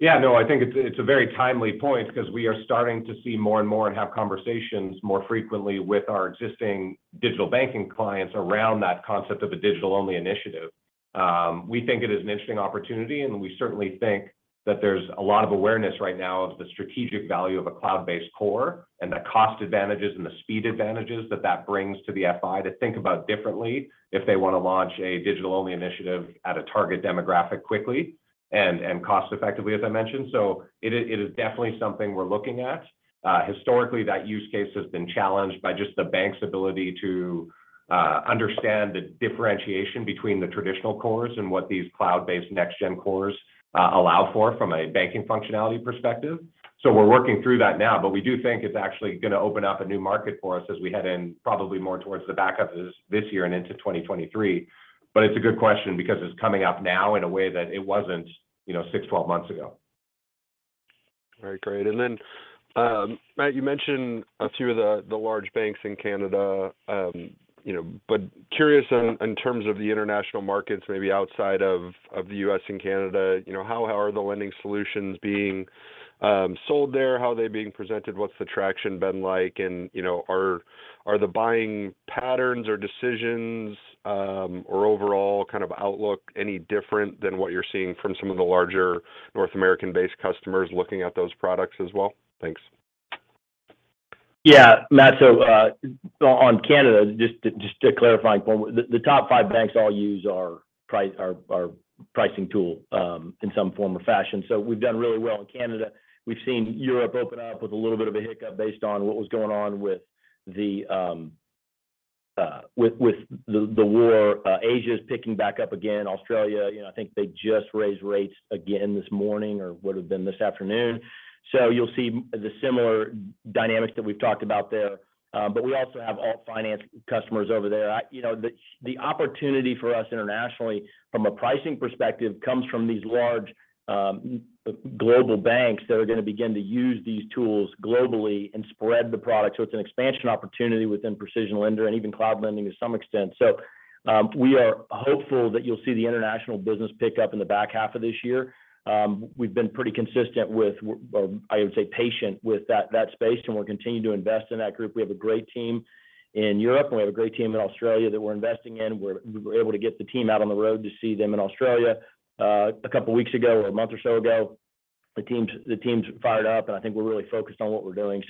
Yeah, no, I think it's a very timely point because we are starting to see more and more and have conversations more frequently with our existing digital banking clients around that concept of a digital-only initiative. We think it is an interesting opportunity, and we certainly think that there's a lot of awareness right now of the strategic value of a cloud-based core and the cost advantages and the speed advantages that that brings to the FI to think about differently if they want to launch a digital-only initiative at a target demographic quickly and cost-effectively, as I mentioned. It is definitely something we're looking at. Historically, that use case has been challenged by just the bank's ability to understand the differentiation between the traditional cores and what these cloud-based next gen cores allow for from a banking functionality perspective. We're working through that now, but we do think it's actually gonna open up a new market for us as we head in probably more towards the back half of this year and into 2023. It's a good question because it's coming up now in a way that it wasn't, you know, six, 12 months ago. All right, great. Then, Matt, you mentioned a few of the large banks in Canada, you know, but curious in terms of the international markets, maybe outside of the U.S. and Canada, you know, how are the lending solutions being sold there? How are they being presented? What's the traction been like? And, you know, are the buying patterns or decisions, or overall kind of outlook any different than what you're seeing from some of the larger North American-based customers looking at those products as well? Thanks. Yeah, Matt. On Canada, just to clarify, the top five banks all use our pricing tool in some form or fashion. We've done really well in Canada. We've seen Europe open up with a little bit of a hiccup based on what was going on with the war. Asia is picking back up again. Australia, you know, I think they just raised rates again this morning or would have been this afternoon. You'll see the similar dynamics that we've talked about there. We also have alt finance customers over there. You know, the opportunity for us internationally from a pricing perspective comes from these large global banks that are going to begin to use these tools globally and spread the product. It's an expansion opportunity within PrecisionLender and even Cloud Lending to some extent. We are hopeful that you'll see the international business pick up in the back half of this year. We've been pretty consistent with, I would say, patient with that space, and we're continuing to invest in that group. We have a great team in Europe, and we have a great team in Australia that we're investing in. We were able to get the team out on the road to see them in Australia, a couple weeks ago or a month or so ago. The team's fired up, and I think we're really focused on what we're doing.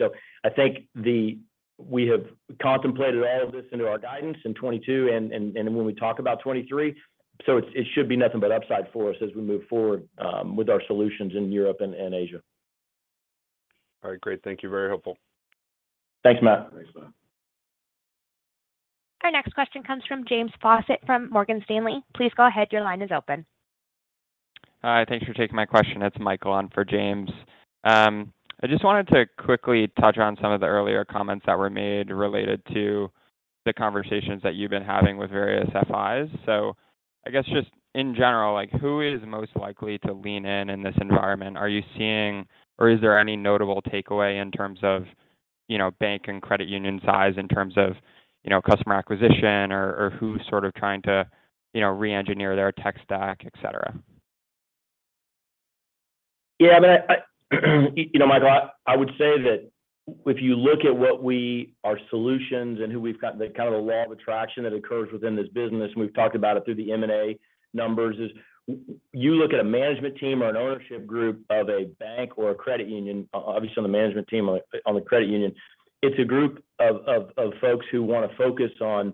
I think the. We have incorporated all of this into our guidance in 2022 and when we talk about 2023, so it should be nothing but upside for us as we move forward with our solutions in Europe and Asia. All right, great. Thank you. Very helpful. Thanks, Matt. Thanks, Matt. Our next question comes from James Faucette from Morgan Stanley. Please go ahead. Your line is open. Hi. Thank you for taking my question. It's Michael on for James. I just wanted to quickly touch on some of the earlier comments that were made related to the conversations that you've been having with various FIs. I guess just in general, like who is most likely to lean in in this environment? Are you seeing or is there any notable takeaway in terms of, you know, bank and credit union size in terms of, you know, customer acquisition or who's sort of trying to, you know, re-engineer their tech stack, et cetera? Yeah, I mean, you know, Michael, I would say that if you look at our solutions and who we've got, the kind of the law of attraction that occurs within this business, and we've talked about it through the M&A numbers, is you look at a management team or an ownership group of a bank or a credit union, obviously on the management team on the credit union. It's a group of folks who want to focus on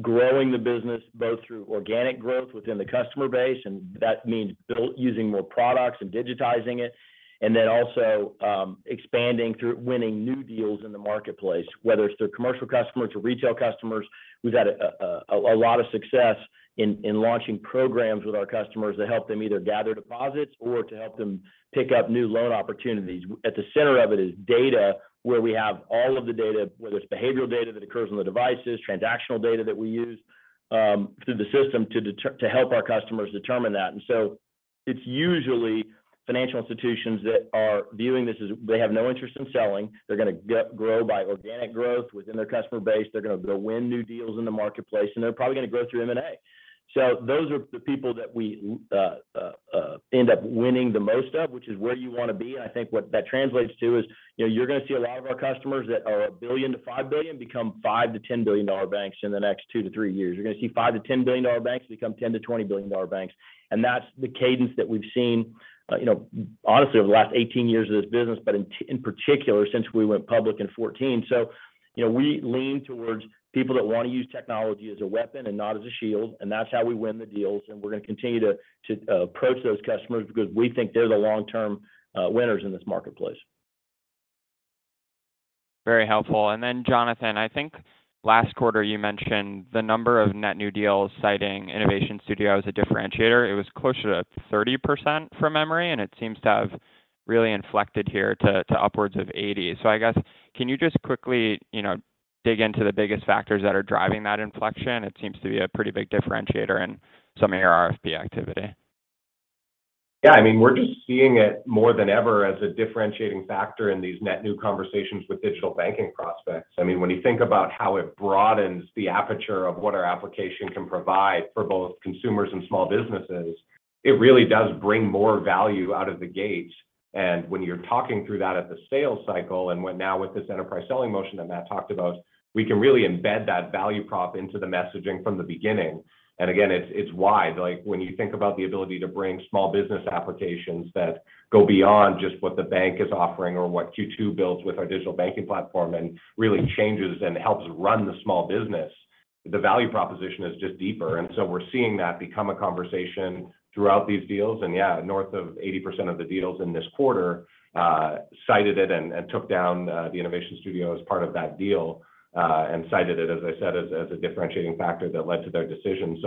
growing the business both through organic growth within the customer base, and that means built using more products and digitizing it, and then also expanding through winning new deals in the marketplace, whether it's through commercial customers or retail customers. We've had a lot of success in launching programs with our customers to help them either gather deposits or to help them pick up new loan opportunities. At the center of it is data where we have all of the data, whether it's behavioral data that occurs on the devices, transactional data that we use through the system to help our customers determine that. It's usually financial institutions that are viewing this as they have no interest in selling. They're gonna grow by organic growth within their customer base. They're gonna go win new deals in the marketplace, and they're probably gonna grow through M&A. Those are the people that we end up winning the most of, which is where you want to be. I think what that translates to is, you know, you're gonna see a lot of our customers that are $1-$5 billion become $5-$10 billion banks in the next 2-3 years. You're gonna see $5-$10 billion banks become $10-$20 billion banks. That's the cadence that we've seen, you know, honestly over the last 18 years of this business, but in particular since we went public in 2014. You know, we lean towards people that want to use technology as a weapon and not as a shield, and that's how we win the deals, and we're gonna continue to approach those customers because we think they're the long-term winners in this marketplace. Very helpful. Then Jonathan, I think last quarter you mentioned the number of net new deals citing Innovation Studio as a differentiator. It was closer to 30% from memory, and it seems to have really inflected here to upwards of 80%. I guess, can you just quickly, you know, dig into the biggest factors that are driving that inflection? It seems to be a pretty big differentiator in some of your RFP activity. Yeah. I mean, we're just seeing it more than ever as a differentiating factor in these net new conversations with digital banking prospects. I mean, when you think about how it broadens the aperture of what our application can provide for both consumers and small businesses, it really does bring more value out of the gate. When you're talking through that at the sales cycle and when now with this enterprise selling motion that Matt talked about, we can really embed that value prop into the messaging from the beginning. Again, it's wide. Like, when you think about the ability to bring small business applications that go beyond just what the bank is offering or what Q2 builds with our digital banking platform and really changes and helps run the small business, the value proposition is just deeper. We're seeing that become a conversation throughout these deals. Yeah, north of 80% of the deals in this quarter cited it and took down the Innovation Studio as part of that deal and cited it, as I said, as a differentiating factor that led to their decision.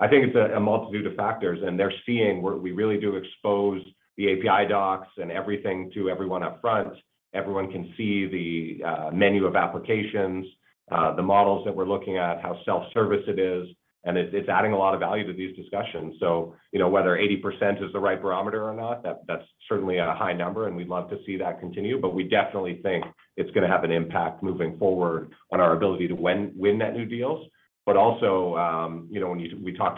I think it's a multitude of factors, and they're seeing where we really do expose the API docs and everything to everyone up front. Everyone can see the menu of applications, the models that we're looking at, how self-service it is, and it's adding a lot of value to these discussions. You know, whether 80% is the right barometer or not, that's certainly a high number, and we'd love to see that continue. We definitely think it's gonna have an impact moving forward on our ability to win net new deals. We talked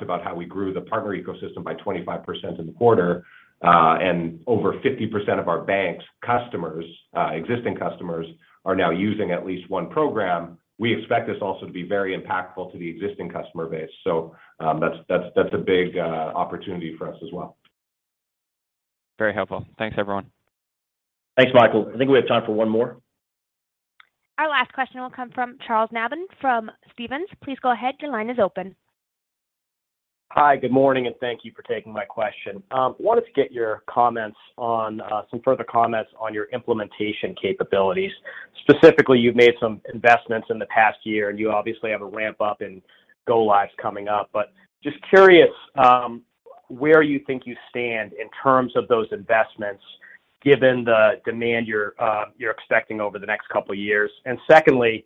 about how we grew the partner ecosystem by 25% in the quarter, you know, and over 50% of our bank customers, existing customers are now using at least one program. We expect this also to be very impactful to the existing customer base. That's a big opportunity for us as well. Very helpful. Thanks everyone. Thanks, Michael. I think we have time for one more. Our last question will come from Charles Nabhan from Stephens. Please go ahead. Your line is open. Hi. Good morning, and thank you for taking my question. Wanted to get your comments on some further comments on your implementation capabilities. Specifically, you've made some investments in the past year and you obviously have a ramp-up in go lives coming up. Just curious, where you think you stand in terms of those investments given the demand you're expecting over the next couple of years. Secondly,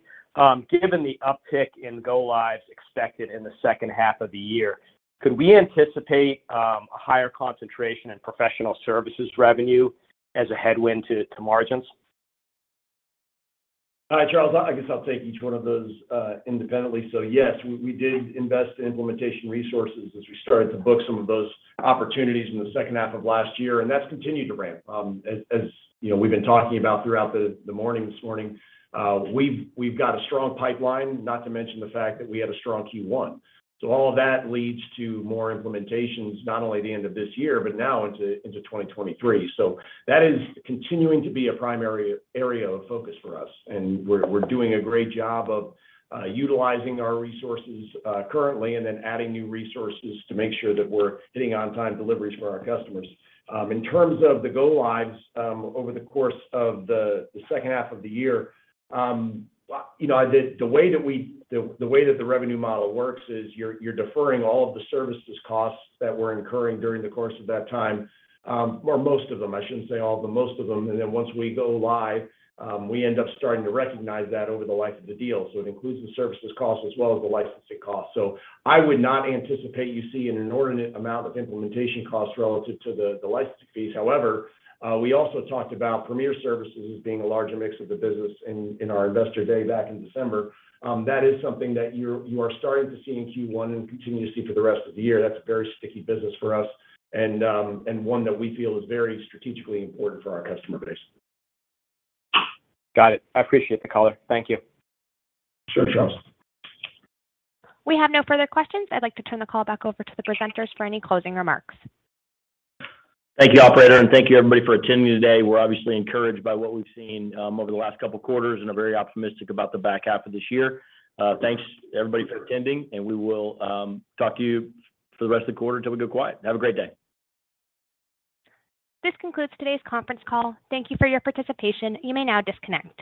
given the uptick in go lives expected in the second half of the year, could we anticipate a higher concentration in professional services revenue as a headwind to margins? Hi, Charles. I guess I'll take each one of those independently. Yes, we did invest in implementation resources as we started to book some of those opportunities in the second half of last year, and that's continued to ramp. As you know, we've been talking about throughout this morning. We've got a strong pipeline, not to mention the fact that we had a strong Q1. All of that leads to more implementations, not only at the end of this year, but now into 2023. That is continuing to be a primary area of focus for us, and we're doing a great job of utilizing our resources currently and then adding new resources to make sure that we're hitting on-time deliveries for our customers. In terms of the go lives, over the course of the second half of the year, you know, the way that the revenue model works is you're deferring all of the services costs that we're incurring during the course of that time, or most of them, I shouldn't say all of them, most of them. Once we go live, we end up starting to recognize that over the life of the deal. It includes the services cost as well as the licensing cost. I would not anticipate you see an inordinate amount of implementation costs relative to the license fees. However, we also talked about premier services as being a larger mix of the business in our investor day back in December. That is something that you are starting to see in Q1 and continue to see for the rest of the year. That's a very sticky business for us and one that we feel is very strategically important for our customer base. Got it. I appreciate the color. Thank you. Sure, Charles. We have no further questions. I'd like to turn the call back over to the presenters for any closing remarks. Thank you, operator, and thank you everybody for attending today. We're obviously encouraged by what we've seen over the last couple of quarters and are very optimistic about the back half of this year. Thanks everybody for attending, and we will talk to you for the rest of the quarter until we go quiet. Have a great day. This concludes today's conference call. Thank you for your participation. You may now disconnect.